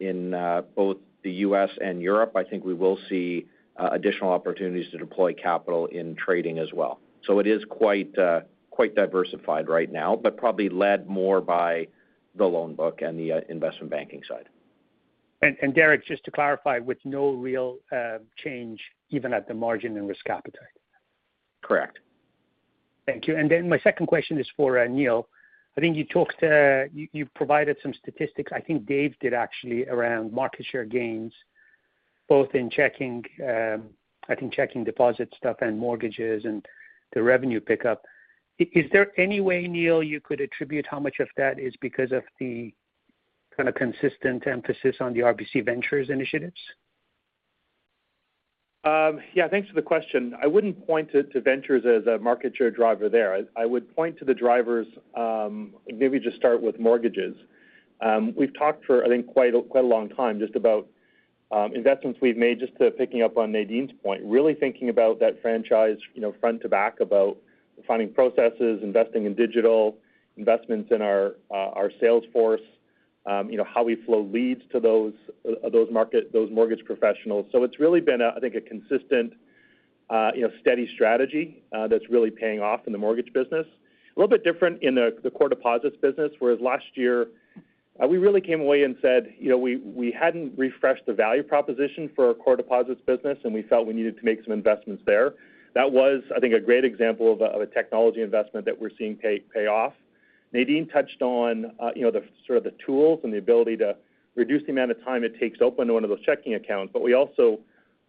in both the U.S. and Europe, I think we will see additional opportunities to deploy capital in trading as well. It is quite diversified right now, but probably led more by the loan book and the investment banking side. Derek, just to clarify, with no real change even at the margin and risk appetite? Correct. Thank you. Then my second question is for Neil. I think you talked, you provided some statistics, I think David did actually, around market share gains, both in checking, I think checking deposit stuff and mortgages and the revenue pickup. Is there any way, Neil, you could attribute how much of that is because of the kind of consistent emphasis on the RBC Ventures initiatives? Yeah, thanks for the question. I wouldn't point it to Ventures as a market share driver there. I would point to the drivers, maybe just start with mortgages. We've talked for, I think, quite a long time just about investments we've made, just to picking up on Nadine's point, really thinking about that franchise, you know, front to back about finding processes, investing in digital, investments in our sales force, you know, how we flow leads to those mortgage professionals. It's really been a, I think, a consistent, you know, steady strategy that's really paying off in the mortgage business. A little bit different in the core deposits business, whereas last year we really came away and said, you know, we hadn't refreshed the value proposition for our core deposits business, and we felt we needed to make some investments there. That was, I think, a great example of a technology investment that we're seeing pay off. Nadine touched on, you know, the sort of tools and the ability to reduce the amount of time it takes to open one of those checking accounts. We also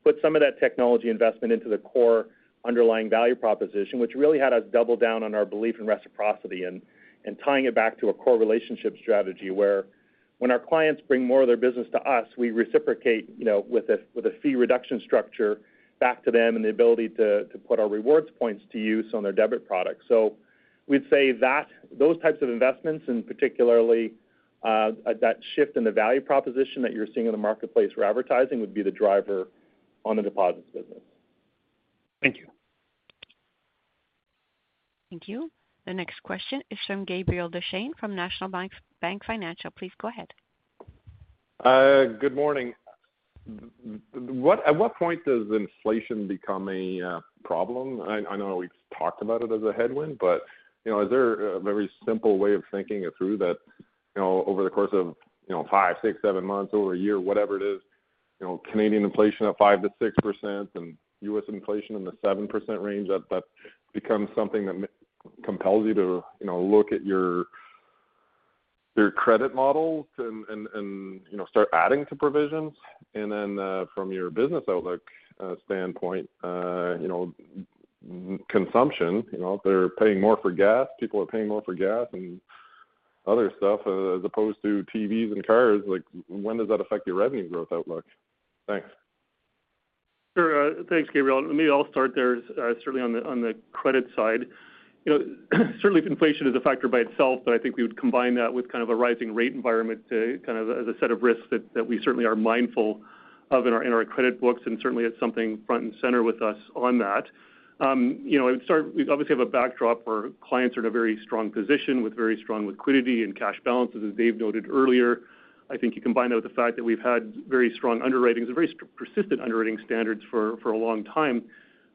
put some of that technology investment into the core underlying value proposition, which really had us double down on our belief in reciprocity and tying it back to a core relationship strategy where when our clients bring more of their business to us, we reciprocate, you know, with a fee reduction structure back to them and the ability to put our rewards points to use on their debit product. We'd say that those types of investments, and particularly, that shift in the value proposition that you're seeing in the marketplace for advertising would be the driver on the deposits business. Thank you. Thank you. The next question is from Gabriel Dechaine from National Bank Financial. Please go ahead. Good morning. At what point does inflation become a problem? I know we've talked about it as a headwind, but you know, is there a very simple way of thinking it through that you know, over the course of you know, five, six, seven months, over a year, whatever it is, you know, Canadian inflation of 5%-6% and U.S. inflation in the 7% range, that becomes something that compels you to you know, look at your credit models and you know, start adding to provisions. From your business outlook standpoint, you know, consumption, you know, they're paying more for gas, people are paying more for gas and other stuff as opposed to TVs and cars. Like, when does that affect your revenue growth outlook? Thanks. Sure. Thanks, Gabriel. Maybe I'll start there, certainly on the credit side. You know, certainly inflation is a factor by itself, but I think we would combine that with kind of a rising rate environment to kind of as a set of risks that we certainly are mindful of in our credit books, and certainly it's something front and center with us on that. You know, we obviously have a backdrop where clients are in a very strong position with very strong liquidity and cash balances, as David noted earlier. I think you combine that with the fact that we've had very strong underwriting, very strong, persistent underwriting standards for a long time,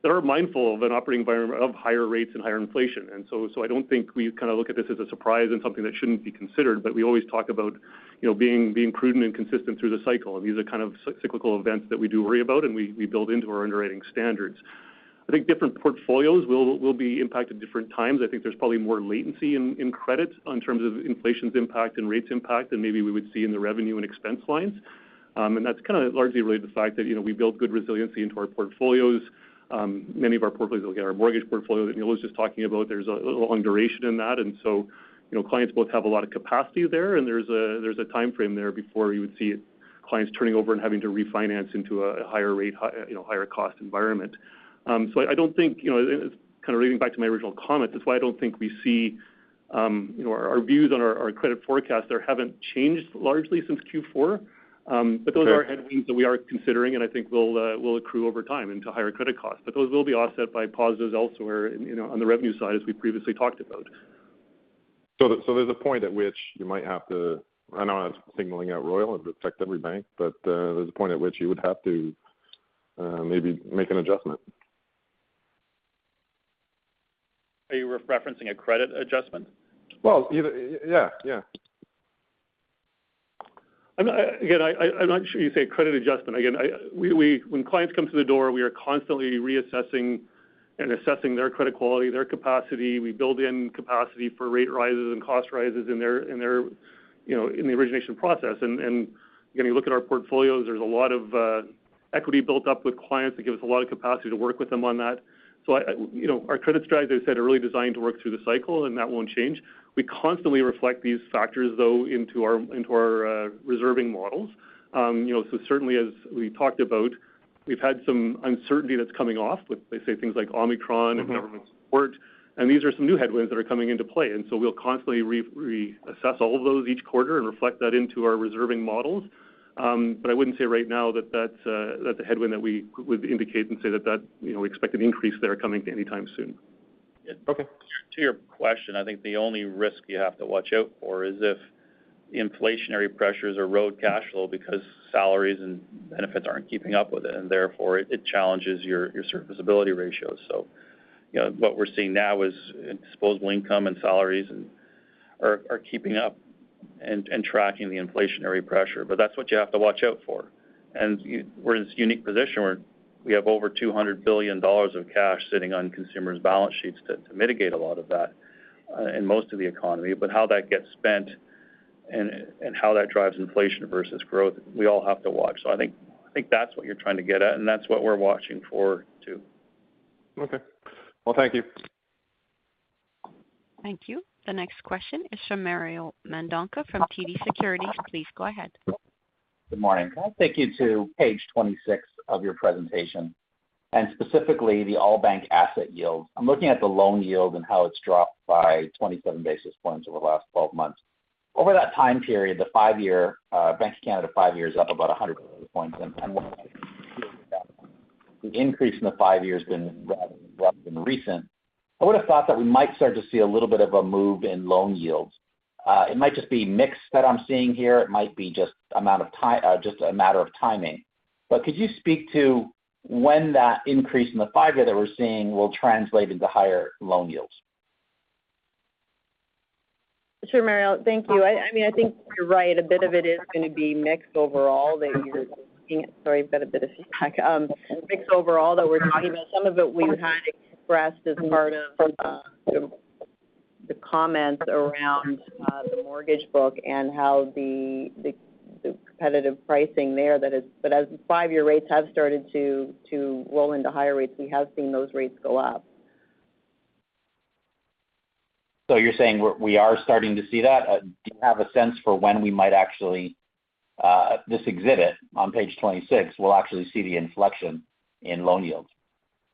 that are mindful of an operating environment of higher rates and higher inflation. I don't think we kind of look at this as a surprise and something that shouldn't be considered, but we always talk about, you know, being prudent and consistent through the cycle. These are kind of cyclical events that we do worry about and we build into our underwriting standards. I think different portfolios will be impacted different times. I think there's probably more latency in credit in terms of inflation's impact and rates impact than maybe we would see in the revenue and expense lines. And that's kinda largely related to the fact that, you know, we build good resiliency into our portfolios. Many of our portfolios, look at our mortgage portfolio that Neil was just talking about, there's a long duration in that. Clients both have a lot of capacity there and there's a time frame there before you would see clients turning over and having to refinance into a higher rate, you know, higher cost environment. I don't think, you know, kind of reading back to my original comment, that's why I don't think we see, you know, our views on our credit forecasts there haven't changed largely since Q4. Those are headwinds that we are considering and I think will accrue over time into higher credit costs. Those will be offset by positives elsewhere, you know, on the revenue side, as we previously talked about. There's a point at which you might have to. I know I'm singling out Royal, it would affect every bank, but there's a point at which you would have to maybe make an adjustment. Are you referencing a credit adjustment? Well, either. Yeah, yeah. Again, I'm not sure you say credit adjustment. Again, when clients come to the door, we are constantly reassessing and assessing their credit quality, their capacity. We build in capacity for rate rises and cost rises in their, you know, in the origination process. Again, you look at our portfolios, there's a lot of equity built up with clients that give us a lot of capacity to work with them on that. I, you know, our credit strategies, as I said, are really designed to work through the cycle, and that won't change. We constantly reflect these factors, though, into our reserving models. You know, certainly as we talked about, we've had some uncertainty that's coming off with, let's say, things like Omicron and government support. These are some new headwinds that are coming into play. We'll constantly reassess all of those each quarter and reflect that into our reserving models. But I wouldn't say right now that that's a headwind that we would indicate and say that that, you know, we expect an increase that are coming anytime soon. Okay. To your question, I think the only risk you have to watch out for is if inflationary pressures erode cash flow because salaries and benefits aren't keeping up with it, and therefore it challenges your serviceability ratios. You know, what we're seeing now is disposable income and salaries and Are keeping up and tracking the inflationary pressure. That's what you have to watch out for. We're in this unique position where we have over 200 billion dollars of cash sitting on consumers' balance sheets to mitigate a lot of that in most of the economy. How that gets spent and how that drives inflation versus growth, we all have to watch. I think that's what you're trying to get at, and that's what we're watching for too. Okay. Well, thank you. Thank you. The next question is from Mario Mendonca from TD Securities. Please go ahead. Good morning. Can I take you to page 26 of your presentation, and specifically the all bank asset yield? I'm looking at the loan yield and how it's dropped by 27 basis points over the last 12 months. Over that time period, the five-year Bank of Canada five-year is up about 100 basis points and the increase in the five-year has been rather more recent. I would have thought that we might start to see a little bit of a move in loan yields. It might just be mix that I'm seeing here, it might be just a matter of timing. Could you speak to when that increase in the five-year that we're seeing will translate into higher loan yields? Sure, Mario. Thank you. I mean, I think you're right. A bit of it is gonna be mixed overall that you're looking at. Sorry, I've got a bit of feedback. Mixed overall, that we're talking about some of it we had expressed as part of the comments around the mortgage book and how the competitive pricing there that is. As five-year rates have started to roll into higher rates, we have seen those rates go up. You're saying we are starting to see that? Do you have a sense for when we might actually, this exhibit on page 26 will actually see the inflection in loan yields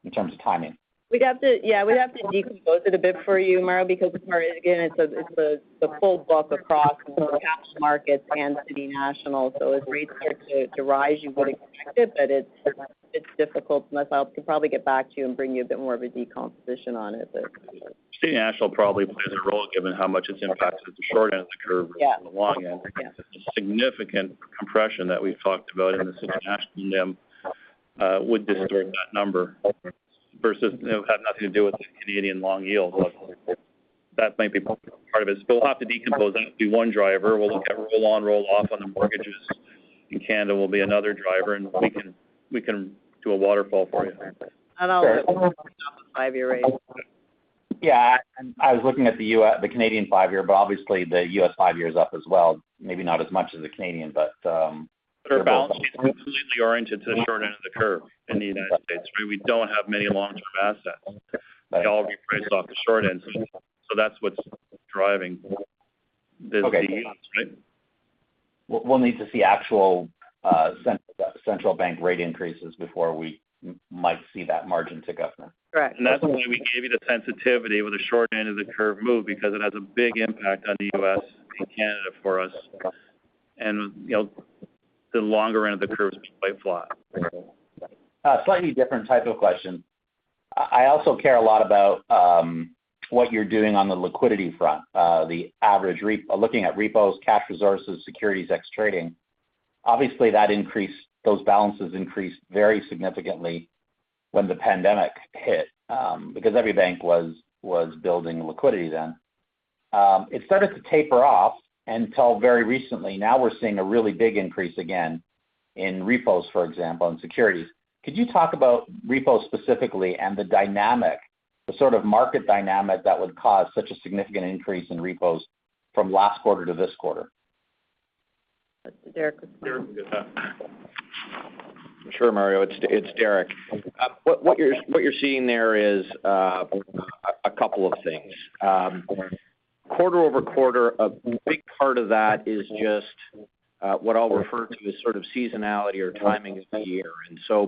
in terms of timing? Yeah, we'd have to decompose it a bit for you, Mario, because again, it's the full book across both cash markets and City National. As rates start to rise, you would expect it, but it's difficult. Myself could probably get back to you and bring you a bit more of a decomposition on it, but. City National probably plays a role given how much it's impacted at the short end of the curve. Yeah. versus the long end. Yeah. The significant compression that we've talked about in the City National NIM would distort that number versus, you know, have nothing to do with the Canadian long yield. That might be part of it. We'll have to decompose. That would be one driver. We'll look at roll on, roll off on the mortgages in Canada will be another driver, and we can do a waterfall for you. I'll look at rolling off the five-year rate. Yeah. I was looking at the Canadian five-year, but obviously the U.S. five-year is up as well. Maybe not as much as the Canadian, but. Their balance sheet is completely oriented to the short end of the curve in the United States. We don't have many long-term assets. They all reprice off the short end. So that's what's driving the yields, right? We'll need to see actual central bank rate increases before we might see that margin tick up now. Correct. That's why we gave you the sensitivity with the short end of the curve move because it has a big impact on the U.S. and Canada for us. You know, the longer end of the curve is quite flat. A slightly different type of question. I also care a lot about what you're doing on the liquidity front. Looking at repos, cash resources, securities, FX trading, obviously those balances increased very significantly when the pandemic hit, because every bank was building liquidity then. It started to taper off until very recently. Now we're seeing a really big increase again in repos, for example, and securities. Could you talk about repos specifically and the dynamic, the sort of market dynamic that would cause such a significant increase in repos from last quarter to this quarter? That's a Derek question. Derek can get that. Sure, Mario, it's Derek. What you're seeing there is a couple of things. Quarter-over-quarter, a big part of that is just what I'll refer to as sort of seasonality or timing of the year.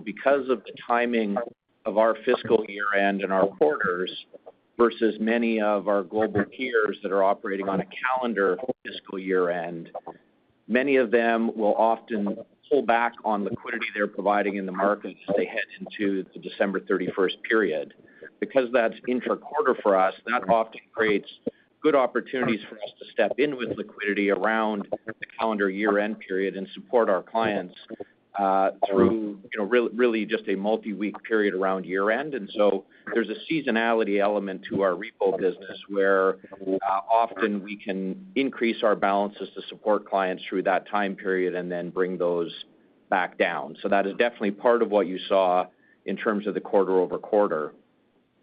Because of the timing of our fiscal year-end and our quarters versus many of our global peers that are operating on a calendar fiscal year-end, many of them will often pull back on liquidity they're providing in the market as they head into the December thirty-first period. Because that's intra-quarter for us, that often creates good opportunities for us to step in with liquidity around the calendar year-end period and support our clients through, you know, really just a multi-week period around year-end. There's a seasonality element to our repo business where, often we can increase our balances to support clients through that time period and then bring those back down. That is definitely part of what you saw in terms of the quarter-over-quarter.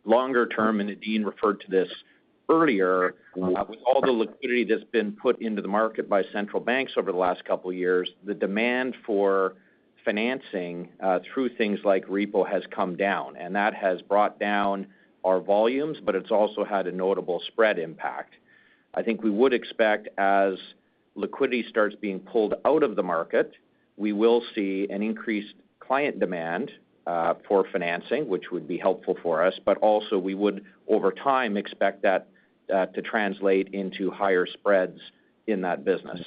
Longer term, Dean referred to this earlier, with all the liquidity that's been put into the market by central banks over the last couple of years, the demand for financing, through things like repo has come down, and that has brought down our volumes, but it's also had a notable spread impact. I think we would expect as liquidity starts being pulled out of the market, we will see an increased client demand, for financing, which would be helpful for us. Also we would, over time, expect that, to translate into higher spreads in that business.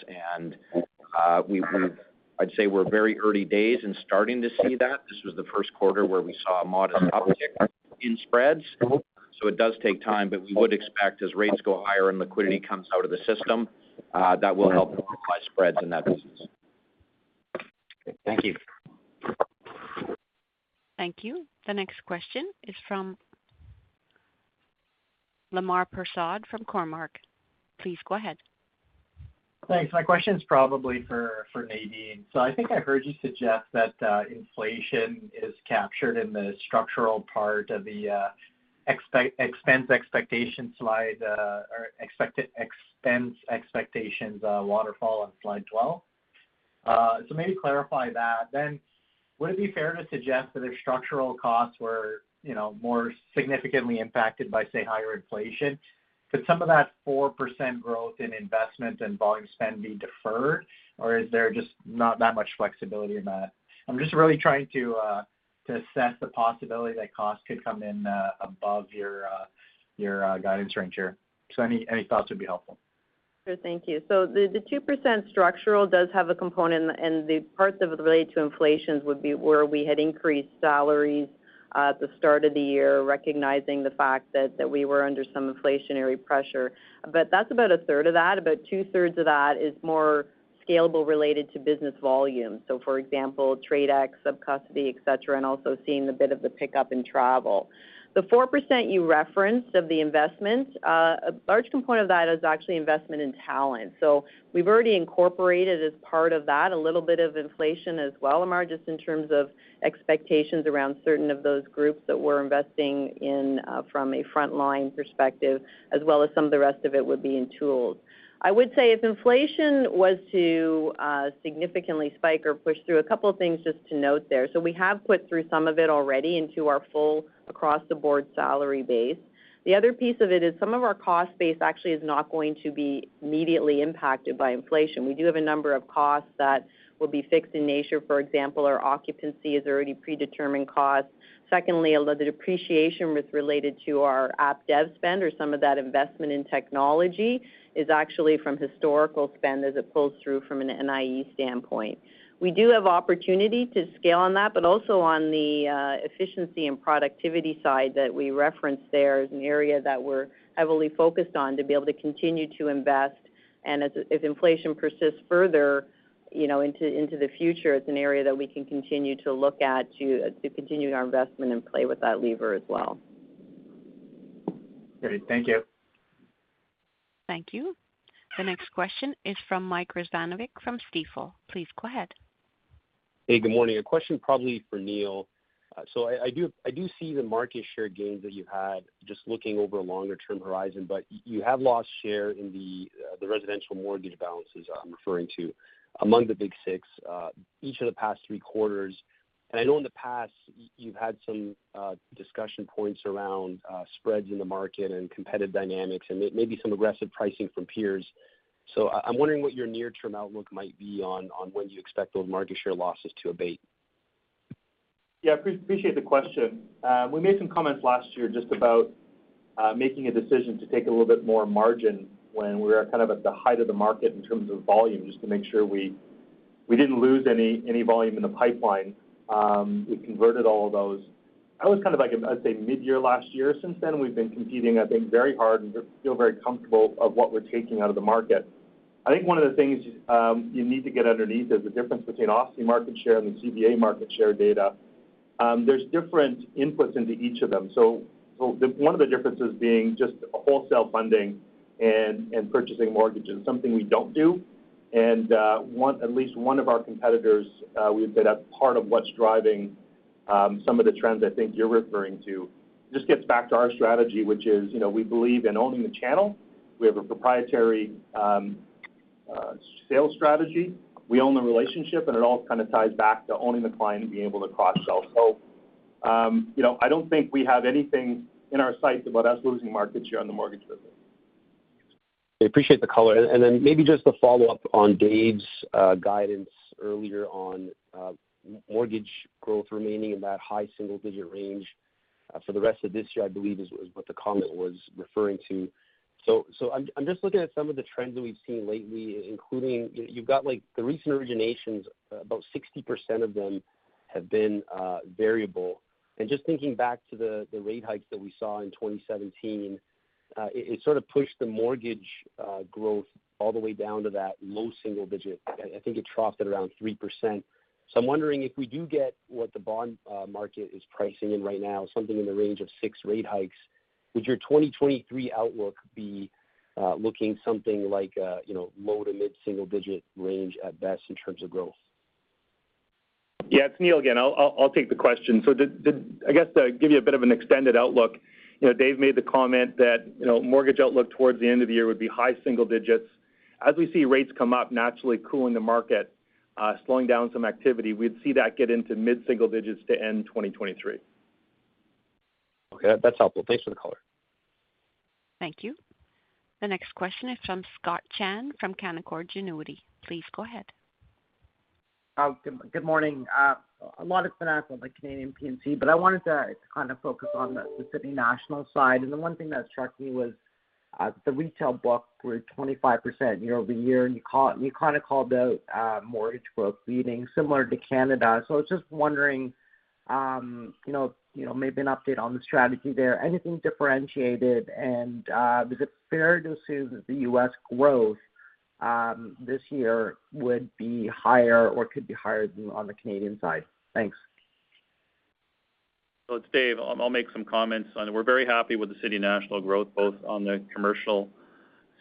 I'd say we're very early days in starting to see that. This was the first quarter where we saw a modest uptick in spreads. It does take time, but we would expect as rates go higher and liquidity comes out of the system, that will help spreads in that business. Thank you. Thank you. The next question is from Lemar Persaud from Cormark. Please go ahead. Thanks. My question is probably for Nadine. I think I heard you suggest that inflation is captured in the structural part of the expense expectations waterfall on slide 12. Maybe clarify that. Would it be fair to suggest that if structural costs were more significantly impacted by higher inflation could some of that 4% growth in investment and volume spend be deferred? Or is there just not that much flexibility in that? I'm just really trying to assess the possibility that costs could come in above your guidance range here. Any thoughts would be helpful. Sure. Thank you. The 2% structural does have a component, and the parts of it related to inflation would be where we had increased salaries at the start of the year, recognizing the fact that we were under some inflationary pressure. But that's about a third of that. About two-thirds of that is more scalable related to business volume. For example, TradeX, subcustody, et cetera, and also seeing a bit of the pickup in travel. The 4% you referenced of the investment, a large component of that is actually investment in talent. We've already incorporated as part of that a little bit of inflation as well, Lamar, just in terms of expectations around certain of those groups that we're investing in, from a frontline perspective, as well as some of the rest of it would be in tools. I would say if inflation was to significantly spike or push through, a couple of things just to note there. We have put through some of it already into our full across-the-board salary base. The other piece of it is some of our cost base actually is not going to be immediately impacted by inflation. We do have a number of costs that will be fixed in nature. For example, our occupancy is already predetermined cost. Secondly, a little depreciation was related to our app dev spend or some of that investment in technology is actually from historical spend as it pulls through from an NIE standpoint. We do have opportunity to scale on that, but also on the efficiency and productivity side that we referenced there is an area that we're heavily focused on to be able to continue to invest. As inflation persists further, you know, into the future, it's an area that we can continue to look at to continue our investment and play with that lever as well. Great. Thank you. Thank you. The next question is from Michael Rizvanovic from Stifel. Please go ahead. Hey, good morning. A question probably for Neil. I do see the market share gains that you had just looking over a longer-term horizon. You have lost share in the residential mortgage balances I'm referring to among the big six each of the past three quarters. I know in the past you've had some discussion points around spreads in the market and competitive dynamics and maybe some aggressive pricing from peers. I'm wondering what your near-term outlook might be on when you expect those market share losses to abate. Appreciate the question. We made some comments last year just about making a decision to take a little bit more margin when we were kind of at the height of the market in terms of volume, just to make sure we didn't lose any volume in the pipeline. We converted all of those. That was kind of like, I'd say, midyear last year. Since then, we've been competing, I think, very hard and feel very comfortable of what we're taking out of the market. I think one of the things you need to get underneath is the difference between OSFI market share and the CBA market share data. There's different inputs into each of them. One of the differences being just wholesale funding and purchasing mortgages, something we don't do. At least one of our competitors, we've said that's part of what's driving some of the trends I think you're referring to. Just gets back to our strategy, which is, you know, we believe in owning the channel. We have a proprietary sales strategy. We own the relationship, and it all kind of ties back to owning the client and being able to cross-sell. You know, I don't think we have anything in our sights about us losing market share on the mortgage business. I appreciate the color. Maybe just a follow-up on David's guidance earlier on mortgage growth remaining in that high single-digit range for the rest of this year, I believe is what the comment was referring to. I'm just looking at some of the trends that we've seen lately, including you've got like the recent originations, about 60% of them have been variable. Just thinking back to the rate hikes that we saw in 2017, it sort of pushed the mortgage growth all the way down to that low single digit. I think it troughed at around 3%. I'm wondering if we do get what the bond market is pricing in right now, something in the range of 6 rate hikes, would your 2023 outlook be looking something like, you know, low to mid single digit range at best in terms of growth? Yeah, it's Neil again. I'll take the question. So I guess to give you a bit of an extended outlook, you know, David made the comment that, you know, mortgage outlook towards the end of the year would be high single digits. As we see rates come up, naturally cooling the market, slowing down some activity, we'd see that get into mid single digits to end 2023. Okay, that's helpful. Thanks for the color. Thank you. The next question is from Scott Chan from Canaccord Genuity. Please go ahead. Good morning. A lot has been asked about Canadian P&C, but I wanted to kind of focus on the City National side. The one thing that struck me was the retail book grew 25% year-over-year, and you kind of called out the mortgage book leading similar to Canada. I was just wondering, you know, maybe an update on the strategy there. Anything differentiated? Is it fair to assume that the U.S. growth this year would be higher or could be higher than on the Canadian side. Thanks. It's David. I'll make some comments on it. We're very happy with the City National growth, both on the commercial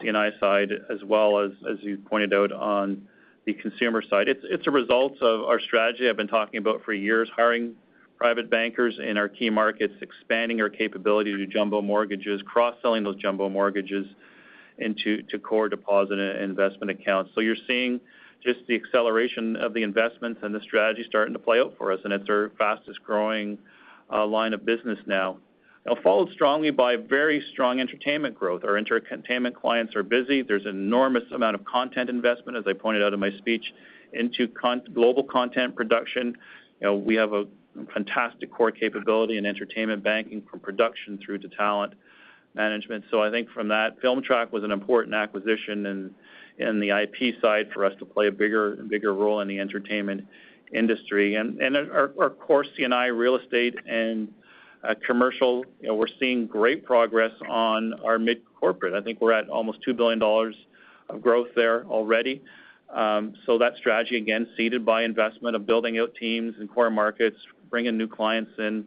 C&I side, as well as you pointed out on the consumer side. It's a result of our strategy I've been talking about for years, hiring private bankers in our key markets, expanding our capability to do jumbo mortgages, cross-selling those jumbo mortgages into core deposit and investment accounts. You're seeing just the acceleration of the investments and the strategy starting to play out for us, and it's our fastest-growing line of business now. Now followed strongly by very strong entertainment growth. Our entertainment clients are busy. There's enormous amount of content investment, as I pointed out in my speech, into global content production. You know, we have a fantastic core capability in entertainment banking from production through to talent management. I think from that, FilmTrack was an important acquisition in the IP side for us to play a bigger role in the entertainment industry. And our core C&I real estate and commercial, we're seeing great progress on our mid-corporate. I think we're at almost $2 billion of growth there already. That strategy, again, seeded by investment of building out teams in core markets, bringing new clients in.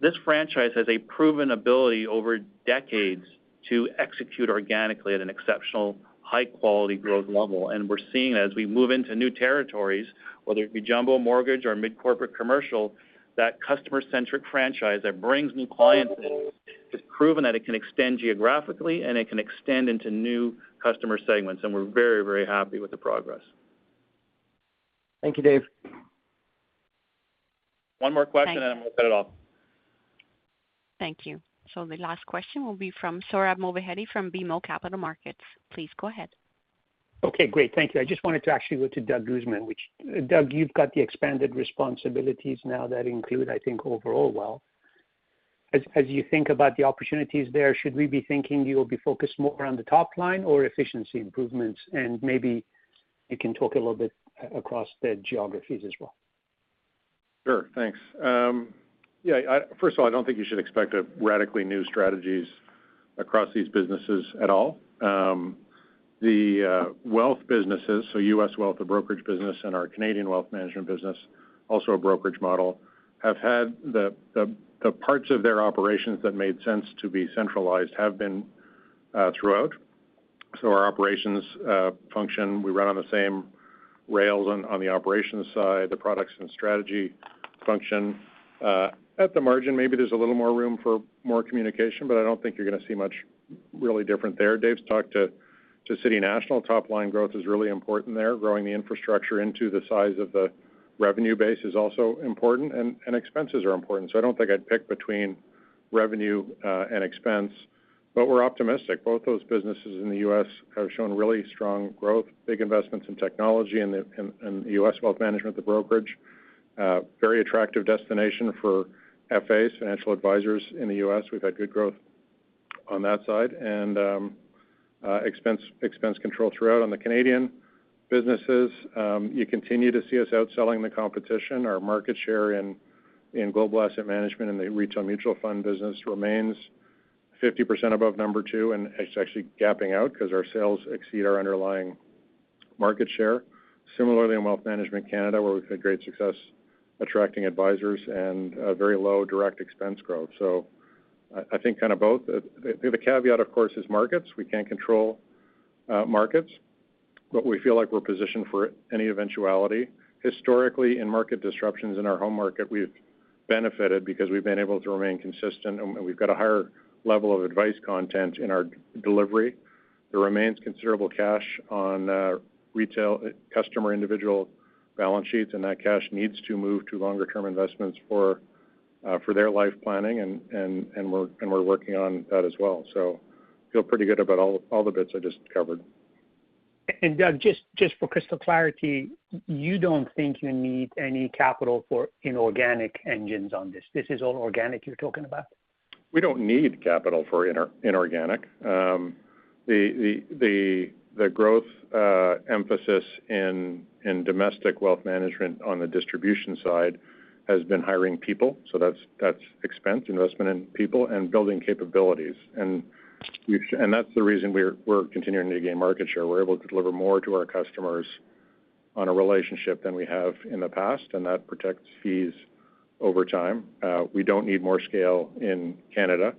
This franchise has a proven ability over decades to execute organically at an exceptional high-quality growth level. We're seeing as we move into new territories, whether it be jumbo mortgage or mid-corporate commercial, that customer-centric franchise that brings new clients in has proven that it can extend geographically and it can extend into new customer segments. We're very happy with the progress. Thank you, David. One more question, and then we'll cut it off. Thank you. The last question will be from Sohrab Movahedi from BMO Capital Markets. Please go ahead. Okay, great. Thank you. I just wanted to actually go to Doug Guzman, which, Doug, you've got the expanded responsibilities now that include, I think, overall wealth. As you think about the opportunities there, should we be thinking you will be focused more on the top line or efficiency improvements? Maybe you can talk a little bit across the geographies as well. Sure. Thanks. Yeah, first of all, I don't think you should expect a radically new strategies across these businesses at all. The wealth businesses, so U.S. Wealth, the brokerage business, and our Canadian wealth management business, also a brokerage model, have had the parts of their operations that made sense to be centralized have been throughout. Our operations function, we run on the same rails on the operations side, the products and strategy function. At the margin, maybe there's a little more room for more communication, but I don't think you're gonna see much really different there. David's talked to City National. Top line growth is really important there. Growing the infrastructure into the size of the revenue base is also important and expenses are important. I don't think I'd pick between revenue and expense, but we're optimistic. Both those businesses in the U.S. have shown really strong growth, big investments in technology in U.S. wealth management, the brokerage. Very attractive destination for FAs, financial advisors in the U.S. We've had good growth on that side and expense control throughout. On the Canadian businesses, you continue to see us out selling the competition. Our market share in Global Asset Management and the retail mutual fund business remains 50% above number two, and it's actually gapping out because our sales exceed our underlying market share. Similarly, in Wealth Management Canada, where we've had great success attracting advisors and very low direct expense growth. I think kind of both. The caveat, of course, is markets. We can't control markets, but we feel like we're positioned for any eventuality. Historically, in market disruptions in our home market, we've benefited because we've been able to remain consistent, and we've got a higher level of advice content in our delivery. There remains considerable cash on retail customer individual balance sheets, and that cash needs to move to longer-term investments for their life planning, and we're working on that as well. Feel pretty good about all the bits I just covered. Doug, just for crystal clarity, you don't think you need any capital for inorganic engines on this. This is all organic you're talking about? We don't need capital for inorganic. The growth emphasis in domestic wealth management on the distribution side has been hiring people. That's expense, investment in people and building capabilities. That's the reason we're continuing to gain market share. We're able to deliver more to our customers on a relationship than we have in the past, and that protects fees over time. We don't need more scale in Canada.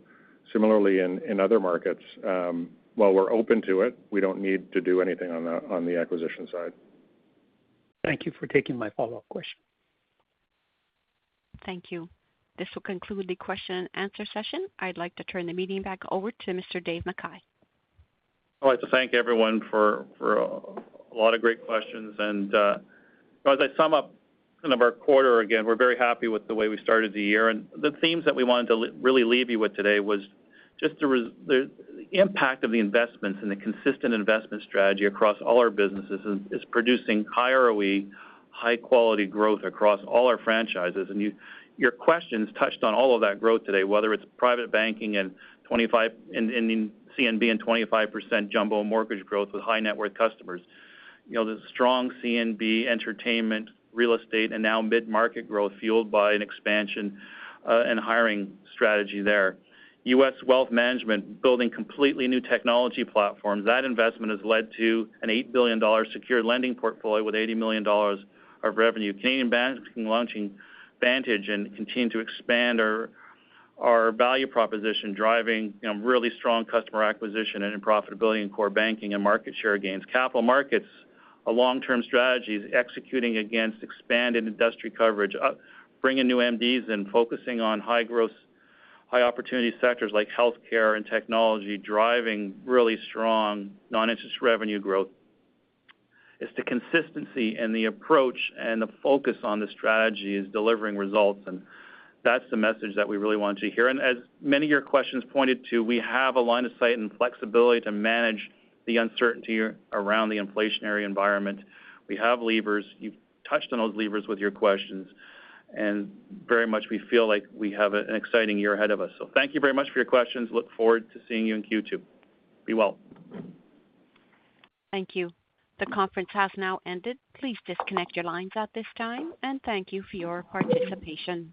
Similarly, in other markets, while we're open to it, we don't need to do anything on the acquisition side. Thank you for taking my follow-up question. Thank you. This will conclude the question and answer session. I'd like to turn the meeting back over to Mr. David McKay. I'd like to thank everyone for a lot of great questions. As I sum up kind of our quarter, again, we're very happy with the way we started the year. The themes that we wanted to really leave you with today was just the impact of the investments and the consistent investment strategy across all our businesses is producing higher OE, high-quality growth across all our franchises. Your questions touched on all of that growth today, whether it's private banking and 25 in CNB and 25% jumbo mortgage growth with high net worth customers. You know, the strong CNB entertainment, real estate, and now mid-market growth fueled by an expansion and hiring strategy there. U.S. Wealth Management, building completely new technology platforms. That investment has led to a 8 billion dollar secured lending portfolio with 80 million dollars of revenue. Canadian Banking launching Vantage and continue to expand our value proposition, driving, you know, really strong customer acquisition and profitability in core banking and market share gains. Capital Markets, a long-term strategy is executing against expanded industry coverage, bringing new MDs and focusing on high-growth, high-opportunity sectors like healthcare and technology, driving really strong non-interest revenue growth. It's the consistency and the approach and the focus on the strategy is delivering results, and that's the message that we really want to hear. As many of your questions pointed to, we have a line of sight and flexibility to manage the uncertainty around the inflationary environment. We have levers. You've touched on those levers with your questions. Very much we feel like we have an exciting year ahead of us. Thank you very much for your questions. Look forward to seeing you in Q2. Be well. Thank you. The conference has now ended. Please disconnect your lines at this time, and thank you for your participation.